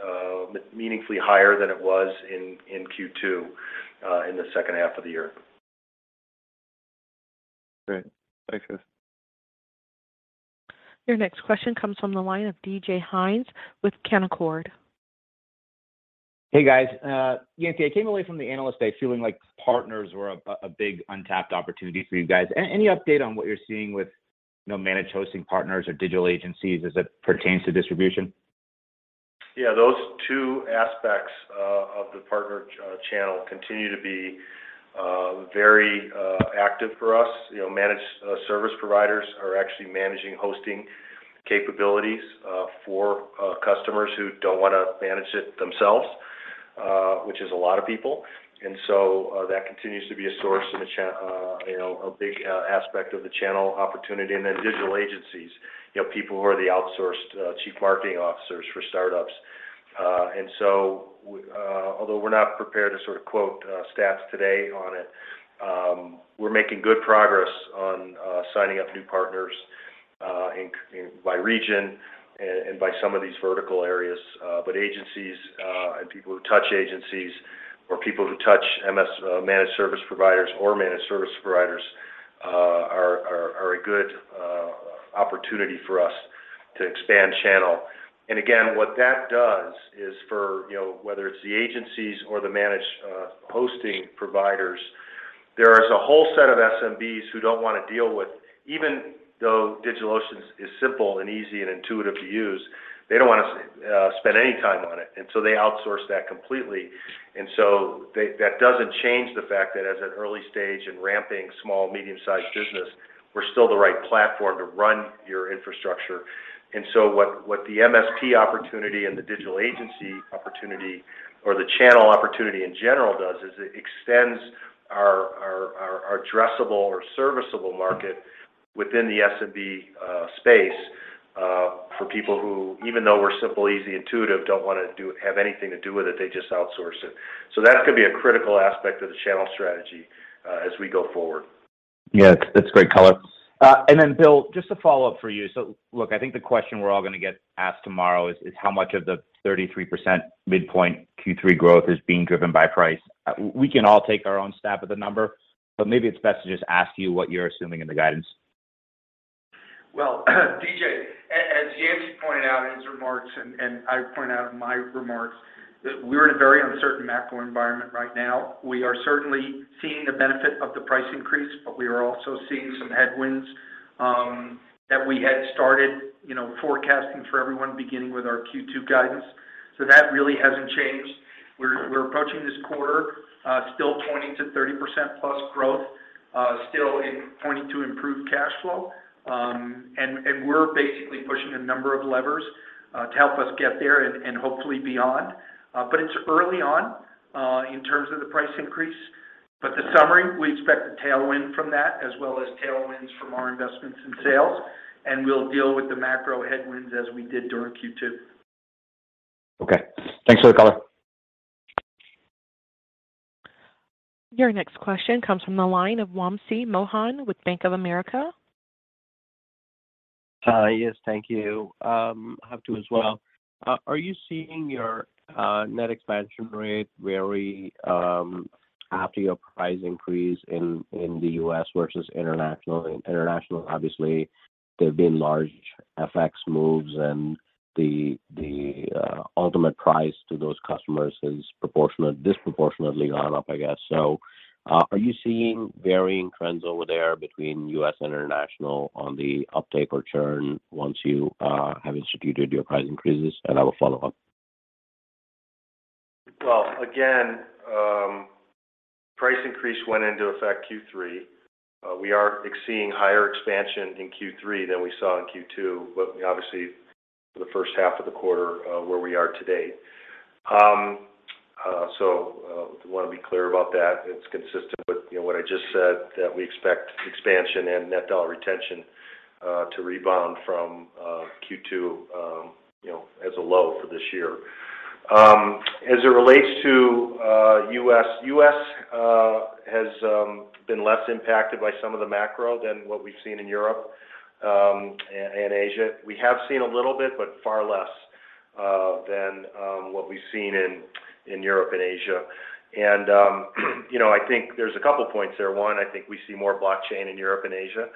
meaningfully higher than it was in Q2 in the second half of the year. Great. Thanks, guys. Your next question comes from the line of DJ Hynes with Canaccord. Hey, guys. Yancey, I came away from the Analyst Day feeling like partners were a big untapped opportunity for you guys. Any update on what you're seeing with, you know, managed hosting partners or digital agencies as it pertains to distribution? Yeah. Those two aspects of the partner channel continue to be very active for us. You know, managed service providers are actually managing hosting capabilities for customers who don't wanna manage it themselves, which is a lot of people. That continues to be a source in the channel, you know, a big aspect of the channel opportunity. Digital agencies, you know, people who are the outsourced chief marketing officers for startups. Although we're not prepared to sort of quote stats today on it, we're making good progress on signing up new partners including by region and by some of these vertical areas. Agencies and people who touch agencies or people who touch MSPs or managed service providers are a good opportunity for us to expand channel. Again, what that does is, you know, whether it's the agencies or the managed hosting providers, there is a whole set of SMBs who don't wanna deal with it. Even though DigitalOcean is simple and easy and intuitive to use, they don't wanna spend any time on it, and so they outsource that completely. That doesn't change the fact that as an early stage in ramping small, medium-sized business, we're still the right platform to run your infrastructure. What the MSP opportunity and the digital agency opportunity or the channel opportunity in general does is it extends our addressable or serviceable market within the SMB space for people who, even though we're simple, easy, intuitive, don't wanna have anything to do with it. They just outsource it. That's gonna be a critical aspect of the channel strategy as we go forward. Yeah. That's great color. Bill, just a follow-up for you. Look, I think the question we're all gonna get asked tomorrow is how much of the 33% midpoint Q3 growth is being driven by price? We can all take our own stab at the number, but maybe it's best to just ask you what you're assuming in the guidance. Well, DJ, as Yancey pointed out in his remarks, and I point out in my remarks that we're in a very uncertain macro environment right now. We are certainly seeing the benefit of the price increase, but we are also seeing some headwinds that we had started, you know, forecasting for everyone beginning with our Q2 guidance. That really hasn't changed. We're approaching this quarter still pointing to 30%+ growth, pointing to improved cash flow. We're basically pushing a number of levers to help us get there and hopefully beyond. It's early on in terms of the price increase. In summary, we expect a tailwind from that as well as tailwinds from our investments in sales, and we'll deal with the macro headwinds as we did during Q2. Okay. Thanks for the color. Your next question comes from the line of Wamsi Mohan with Bank of America. Hi. Yes. Thank you. Have to as well. Are you seeing your net expansion rate vary after your price increase in the U.S. versus international? In international, obviously, there have been large FX moves, and the ultimate price to those customers has disproportionately gone up, I guess. Are you seeing varying trends over there between U.S. and international on the uptake or churn once you have instituted your price increases? I have a follow-up. Well, again, price increase went into effect Q3. We are seeing higher expansion in Q3 than we saw in Q2, but obviously the first half of the quarter, where we are today. Wanna be clear about that. It's consistent with, you know, what I just said, that we expect expansion and net dollar retention to rebound from Q2, you know, as a low for this year. As it relates to U.S. has been less impacted by some of the macro than what we've seen in Europe and Asia. We have seen a little bit, but far less than what we've seen in Europe and Asia. You know, I think there's a couple points there. One, I think we see more blockchain in Europe and Asia.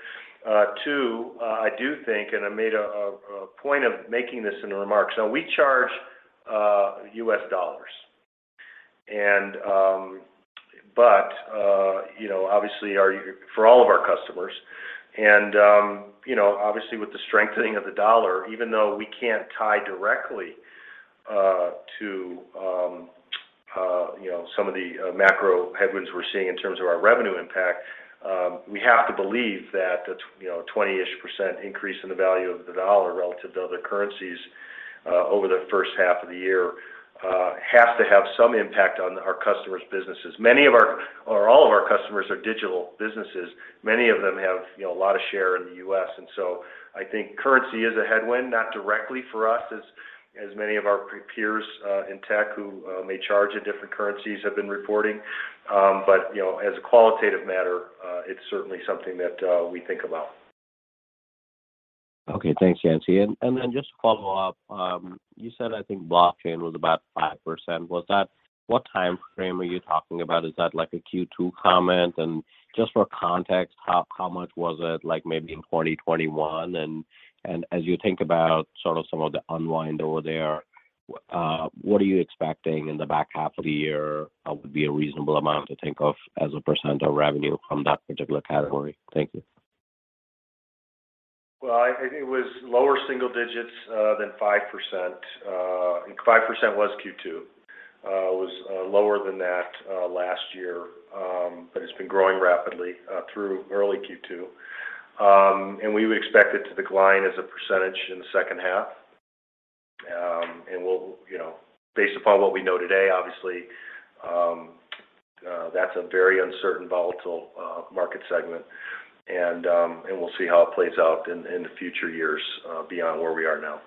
I do think too, and I made a point of making this in the remarks. Now we charge U.S. dollars, but you know, obviously for all of our customers. You know, obviously with the strengthening of the dollar, even though we can't tie directly to you know, some of the macro headwinds we're seeing in terms of our revenue impact, we have to believe that the 20-ish% increase in the value of the dollar relative to other currencies over the first half of the year has to have some impact on our customers' businesses. Many of our, or all of our customers are digital businesses. Many of them have you know, a lot of share in the U.S. I think currency is a headwind, not directly for us as many of our peers in tech who may charge at different currencies have been reporting. You know, as a qualitative matter, it's certainly something that we think about. Okay. Thanks, Yancey. Then just to follow up, you said I think blockchain was about 5%. What time frame are you talking about? Is that like a Q2 comment? Just for context, how much was it like maybe in 2021? As you think about sort of some of the unwind over there, what are you expecting in the back half of the year would be a reasonable amount to think of as a % of revenue from that particular category? Thank you. Well, I think it was lower single digits than 5%. 5% was Q2. It was lower than that last year. It's been growing rapidly through early Q2. We would expect it to decline as a percentage in the second half. We'll, you know, based upon what we know today, obviously, that's a very uncertain, volatile market segment. We'll see how it plays out in the future years beyond where we are now.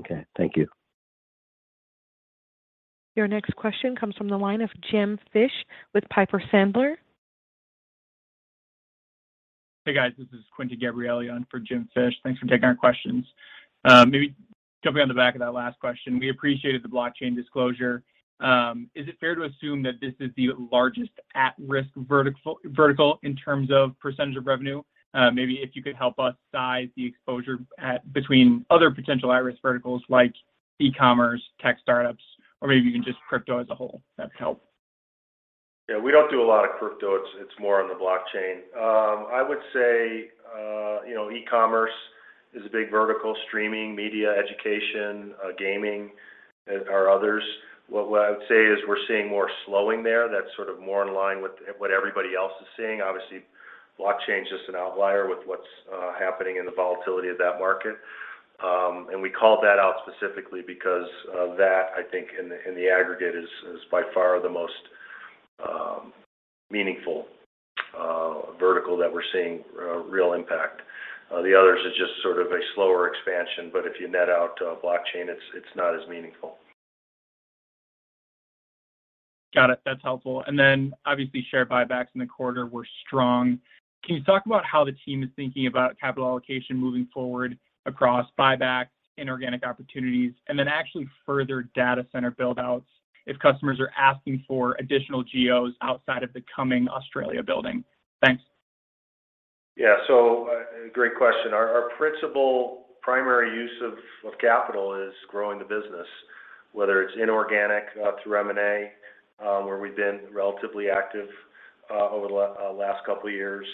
Okay. Thank you. Your next question comes from the line of Jim Fish with Piper Sandler. Hey, guys. This is Quinton Gabrielli for Jim Fish. Thanks for taking our questions. Maybe jumping on the back of that last question, we appreciated the blockchain disclosure. Is it fair to assume that this is the largest at-risk vertical in terms of percentage of revenue? Maybe if you could help us size the exposure as between other potential at-risk verticals like e-commerce, tech startups, or maybe even just crypto as a whole, that'd help. Yeah. We don't do a lot of crypto. It's more on the blockchain. I would say, you know, e-commerce is a big vertical, streaming, media, education, gaming are others. What I would say is we're seeing more slowing there. That's sort of more in line with what everybody else is seeing. Obviously, blockchain is just an outlier with what's happening in the volatility of that market. We called that out specifically because of that. I think in the aggregate is by far the most meaningful vertical that we're seeing real impact. The others are just sort of a slower expansion, but if you net out blockchain, it's not as meaningful. Got it. That's helpful. Obviously, share buybacks in the quarter were strong. Can you talk about how the team is thinking about capital allocation moving forward across buyback, inorganic opportunities, and then actually further data center build-outs if customers are asking for additional geos outside of the coming Australia building? Thanks. Great question. Our principal primary use of capital is growing the business, whether it's inorganic through M&A, where we've been relatively active over the last couple of years.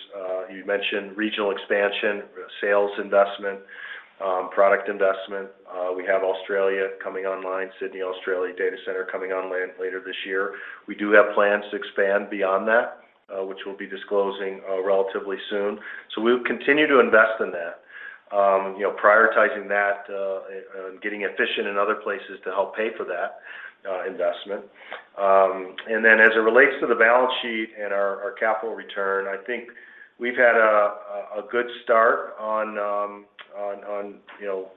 You mentioned regional expansion, sales investment, product investment. We have Australia coming online, Sydney, Australia data center coming online later this year. We do have plans to expand beyond that, which we'll be disclosing relatively soon. We'll continue to invest in that, you know, prioritizing that, getting efficient in other places to help pay for that investment. Then as it relates to the balance sheet and our capital return, I think we've had a good start on, you know,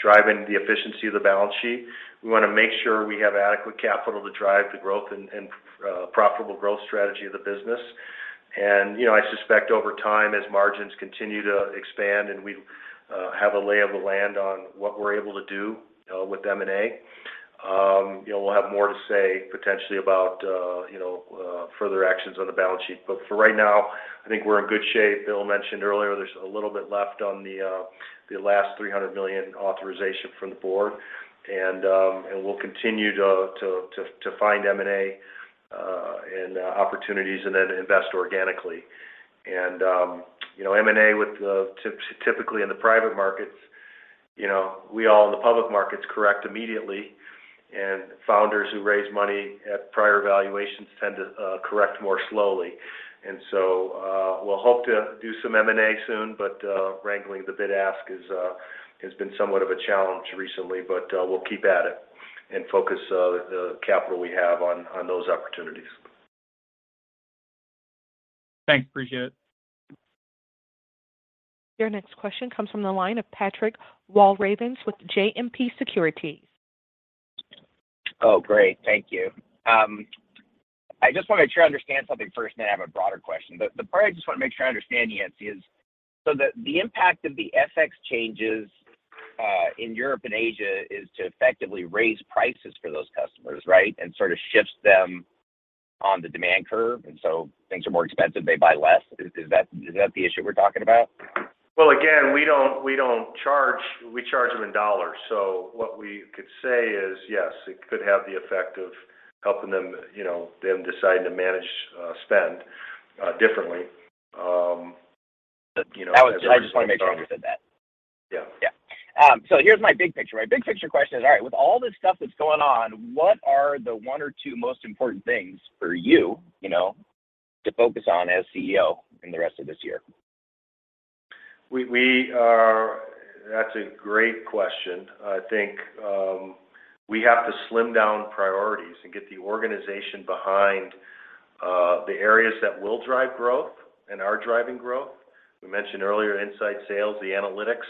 driving the efficiency of the balance sheet. We wanna make sure we have adequate capital to drive the growth and profitable growth strategy of the business. You know, I suspect over time, as margins continue to expand and we have a lay of the land on what we're able to do with M&A, you know, we'll have more to say potentially about you know, further actions on the balance sheet. For right now, I think we're in good shape. Bill mentioned earlier there's a little bit left on the last $300 million authorization from the board. We'll continue to find M&A opportunities and then invest organically. M&A typically in the private markets, you know, we all in the public markets correct immediately, and founders who raise money at prior valuations tend to correct more slowly. We'll hope to do some M&A soon, but wrangling the bid ask has been somewhat of a challenge recently. We'll keep at it and focus the capital we have on those opportunities. Thanks. Appreciate it. Your next question comes from the line of Patrick Walravens with JMP Securities. Oh, great. Thank you. I just want to make sure I understand something first, then I have a broader question. The part I just want to make sure I understand, Yancey, is so the impact of the FX changes in Europe and Asia is to effectively raise prices for those customers, right? And sort of shifts them on the demand curve, and so things are more expensive, they buy less. Is that the issue we're talking about? Well, again, we don't charge. We charge them in US dollars. What we could say is, yes, it could have the effect of helping them, you know, them deciding to manage spend differently. You know, as we move on. I just want to make sure we said that. Yeah. Yeah. Here's my big picture. My big picture question is, all right, with all this stuff that's going on, what are the one or two most important things for you know, to focus on as CEO in the rest of this year? That's a great question. I think we have to slim down priorities and get the organization behind the areas that will drive growth and are driving growth. We mentioned earlier inside sales, the analytics,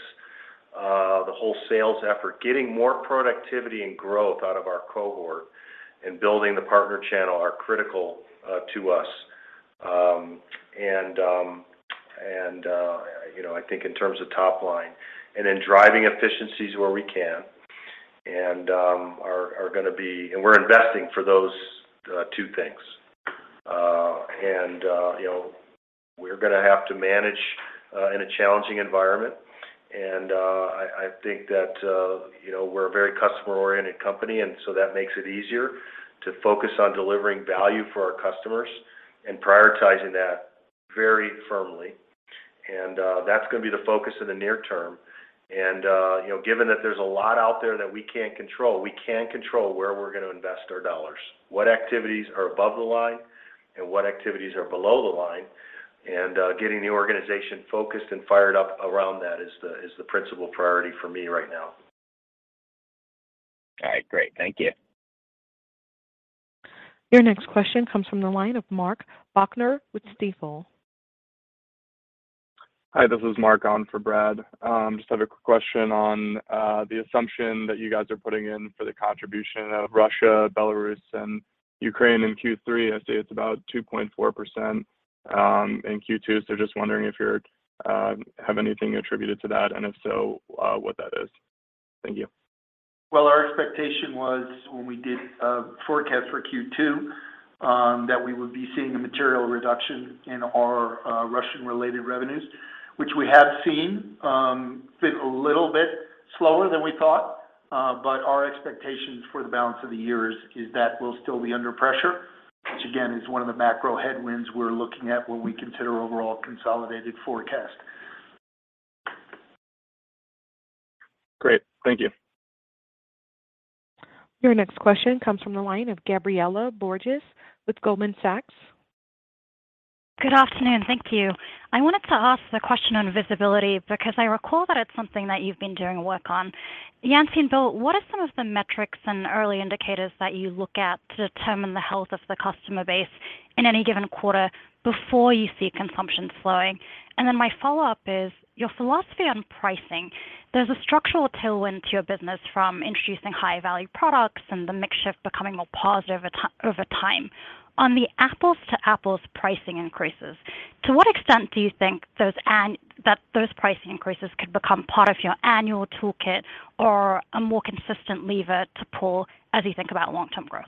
the whole sales effort, getting more productivity and growth out of our cohort and building the partner channel are critical to us. You know, I think in terms of top line. Then driving efficiencies where we can and we're investing for those two things. You know, we're gonna have to manage in a challenging environment. I think that you know, we're a very customer-oriented company, and so that makes it easier to focus on delivering value for our customers and prioritizing that very firmly. That's gonna be the focus in the near term. You know, given that there's a lot out there that we can't control, we can control where we're gonna invest our dollars, what activities are above the line and what activities are below the line. Getting the organization focused and fired up around that is the principal priority for me right now. All right. Great. Thank you. Your next question comes from the line of Marc Bachner with Stifel. Hi, this is Marc on for Brad. Just have a quick question on the assumption that you guys are putting in for the contribution of Russia, Belarus, and Ukraine in Q3. I see it's about 2.4% in Q2. Just wondering if you have anything attributed to that, and if so, what that is. Thank you. Well, our expectation was when we did a forecast for Q2, that we would be seeing a material reduction in our Russian-related revenues, which we have seen, been a little bit slower than we thought. Our expectations for the balance of the year is that we'll still be under pressure, which again, is one of the macro headwinds we're looking at when we consider overall consolidated forecast. Great. Thank you. Your next question comes from the line of Gabriela Borges with Goldman Sachs. Good afternoon. Thank you. I wanted to ask the question on visibility because I recall that it's something that you've been doing work on. Yancey and Bill, what are some of the metrics and early indicators that you look at to determine the health of the customer base in any given quarter before you see consumption slowing? My follow-up is your philosophy on pricing. There's a structural tailwind to your business from introducing high-value products and the mix shift becoming more positive to over time. On the apples-to-apples pricing increases, to what extent do you think that those pricing increases could become part of your annual toolkit or a more consistent lever to pull as you think about long-term growth?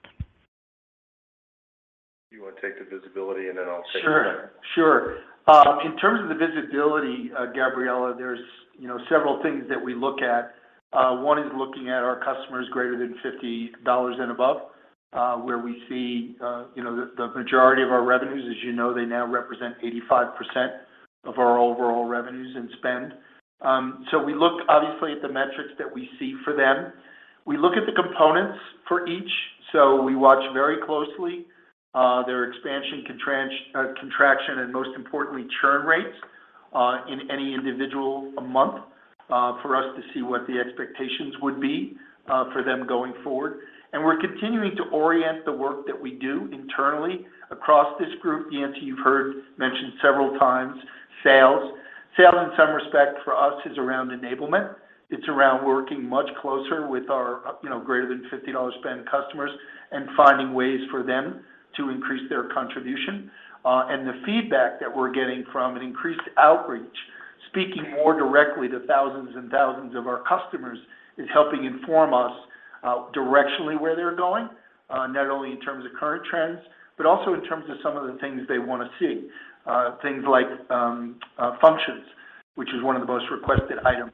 You want to take the visibility, and then I'll take the second? Sure, sure. In terms of the visibility, Gabriela, there's, you know, several things that we look at. One is looking at our customers greater than $50 and above, where we see, you know, the majority of our revenues. As you know, they now represent 85% of our overall revenues and spend. So we look obviously at the metrics that we see for them. We look at the components for each. So we watch very closely their expansion, contraction, and most importantly, churn rates in any individual month for us to see what the expectations would be for them going forward. We're continuing to orient the work that we do internally across this group. Yancey, you've heard mentioned several times, sales. Sales in some respect for us is around enablement. It's around working much closer with our, you know, greater than $50 spend customers and finding ways for them to increase their contribution. The feedback that we're getting from an increased outreach, speaking more directly to thousands and thousands of our customers, is helping inform us directionally where they're going, not only in terms of current trends, but also in terms of some of the things they wanna see, things like functions, which is one of the most requested items.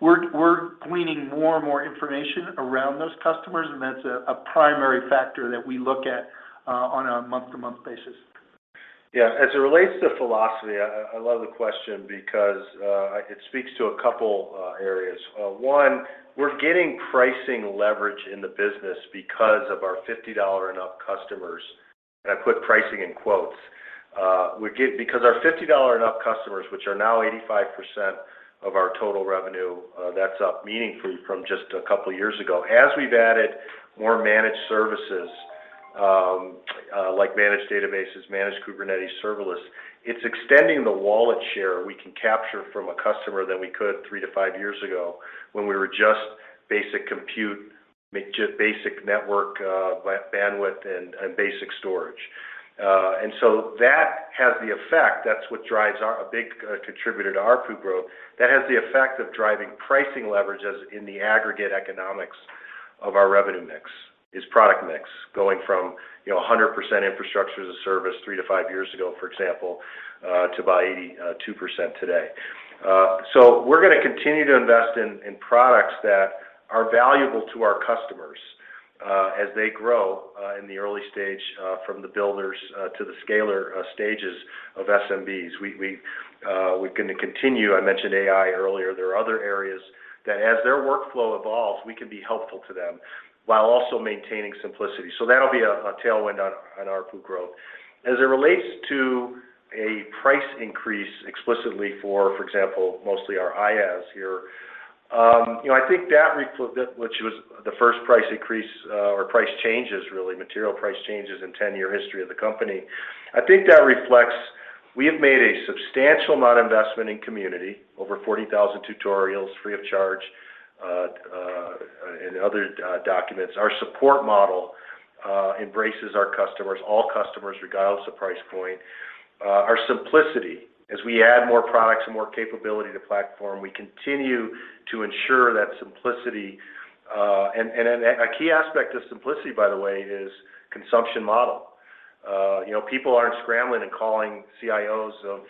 We're gleaning more and more information around those customers, and that's a primary factor that we look at on a month-to-month basis. Yeah. As it relates to philosophy, I love the question because it speaks to a couple areas. One, we're getting pricing leverage in the business because of our $50 and up customers. I put pricing in quotes. Because our $50 and up customers, which are now 85% of our total revenue, that's up meaningfully from just a couple of years ago. As we've added more managed services, like managed databases, managed Kubernetes serverless, it's extending the wallet share we can capture from a customer than we could 3-5 years ago when we were just basic compute, just basic network, bandwidth, and basic storage. That has the effect. That's what drives a big contributor to our ARPU growth. That has the effect of driving pricing leverage as in the aggregate economics of our revenue mix is product mix, going from, you know, 100% infrastructure as a service 3 to 5 years ago, for example, to about 82% today. We're gonna continue to invest in products that are valuable to our customers as they grow in the early stage from the builders to the scaler stages of SMBs. We're gonna continue. I mentioned AI earlier. There are other areas that as their workflow evolves, we can be helpful to them while also maintaining simplicity. That'll be a tailwind on ARPU growth. As it relates to a price increase explicitly for example, mostly our IaaS here, you know, I think that that which was the first price increase or price changes really, material price changes in 10-year history of the company, I think that reflects we have made a substantial amount of investment in community, over 40,000 tutorials free of charge and other documents. Our support model embraces our customers, all customers, regardless of price point. Our simplicity. As we add more products and more capability to platform, we continue to ensure that simplicity. And a key aspect of simplicity, by the way, is consumption model. You know, people aren't scrambling and calling CIOs of,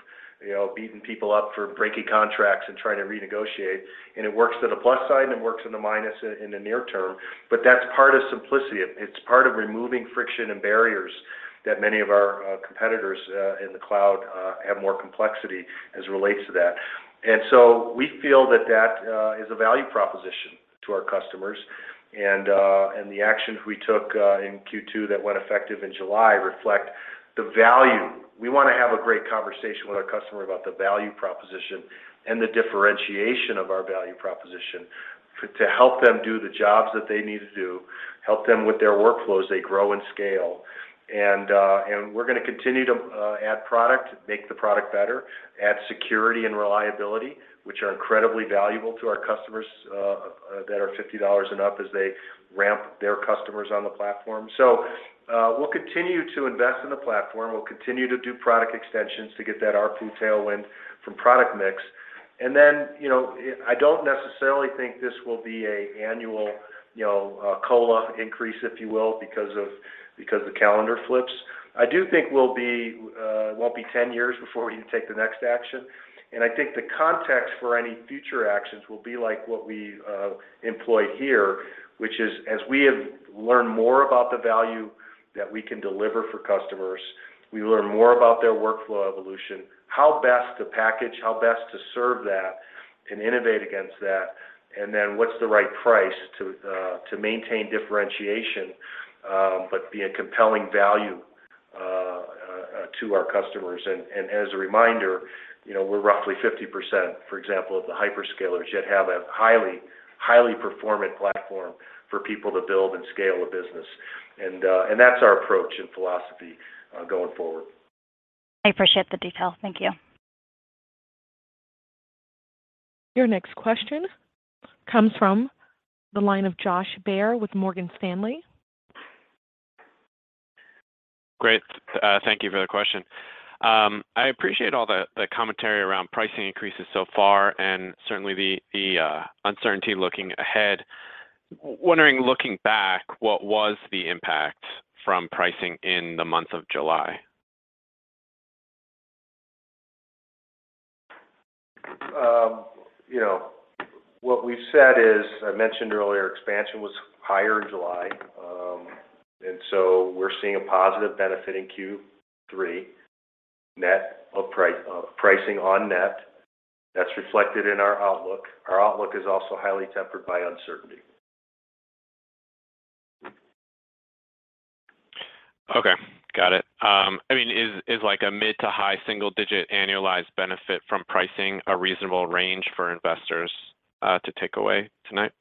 you know, beating people up for breaking contracts and trying to renegotiate. It works to the plus side, and it works in the minus in the near term, but that's part of simplicity. It's part of removing friction and barriers that many of our competitors in the cloud have more complexity as it relates to that. We feel that is a value proposition to our customers. The actions we took in Q2 that went effective in July reflect the value. We wanna have a great conversation with our customer about the value proposition and the differentiation of our value proposition to help them do the jobs that they need to do, help them with their workflows, they grow and scale. We're gonna continue to add product, make the product better, add security and reliability, which are incredibly valuable to our customers that are $50 and up as they ramp their customers on the platform. We'll continue to invest in the platform. We'll continue to do product extensions to get that ARPU tailwind from product mix. You know, I don't necessarily think this will be an annual, you know, COLA increase, if you will, because the calendar flips. I do think it won't be 10 years before we can take the next action. I think the context for any future actions will be like what we employed here, which is, as we have learned more about the value that we can deliver for customers, we learn more about their workflow evolution, how best to package, how best to serve that and innovate against that, and then what's the right price to maintain differentiation, but be a compelling value to our customers. As a reminder, you know, we're roughly 50%, for example, of the hyperscalers yet have a highly performant platform for people to build and scale a business. That's our approach and philosophy going forward. I appreciate the detail. Thank you. Your next question comes from the line of Josh Baer with Morgan Stanley. Great. Thank you for the question. I appreciate all the commentary around pricing increases so far and certainly the uncertainty looking ahead. Wondering, looking back, what was the impact from pricing in the month of July? You know, what we've said is, I mentioned earlier, expansion was higher in July. We're seeing a positive benefit in Q3 net of pricing on net. That's reflected in our outlook. Our outlook is also highly tempered by uncertainty. Okay. Got it. I mean, is like a mid to high single digit annualized benefit from pricing a reasonable range for investors to take away tonight?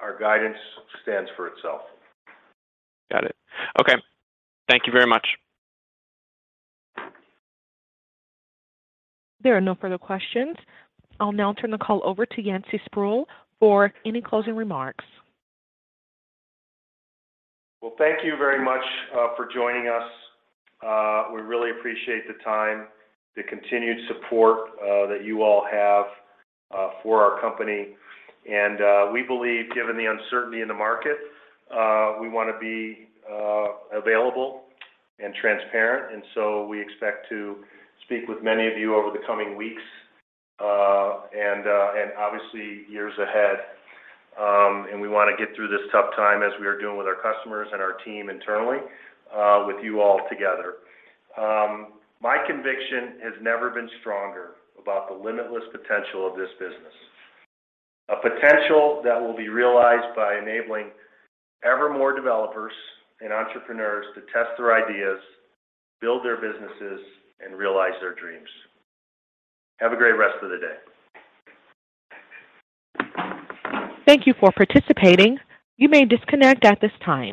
Our guidance stands for itself. Got it. Okay. Thank you very much. There are no further questions. I'll now turn the call over to Yancey Spruill for any closing remarks. Well, thank you very much for joining us. We really appreciate the time, the continued support that you all have for our company. We believe, given the uncertainty in the market, we wanna be available and transparent. We expect to speak with many of you over the coming weeks and obviously years ahead. We wanna get through this tough time as we are doing with our customers and our team internally with you all together. My conviction has never been stronger about the limitless potential of this business, a potential that will be realized by enabling ever more developers and entrepreneurs to test their ideas, build their businesses, and realize their dreams. Have a great rest of the day. Thank you for participating. You may disconnect at this time.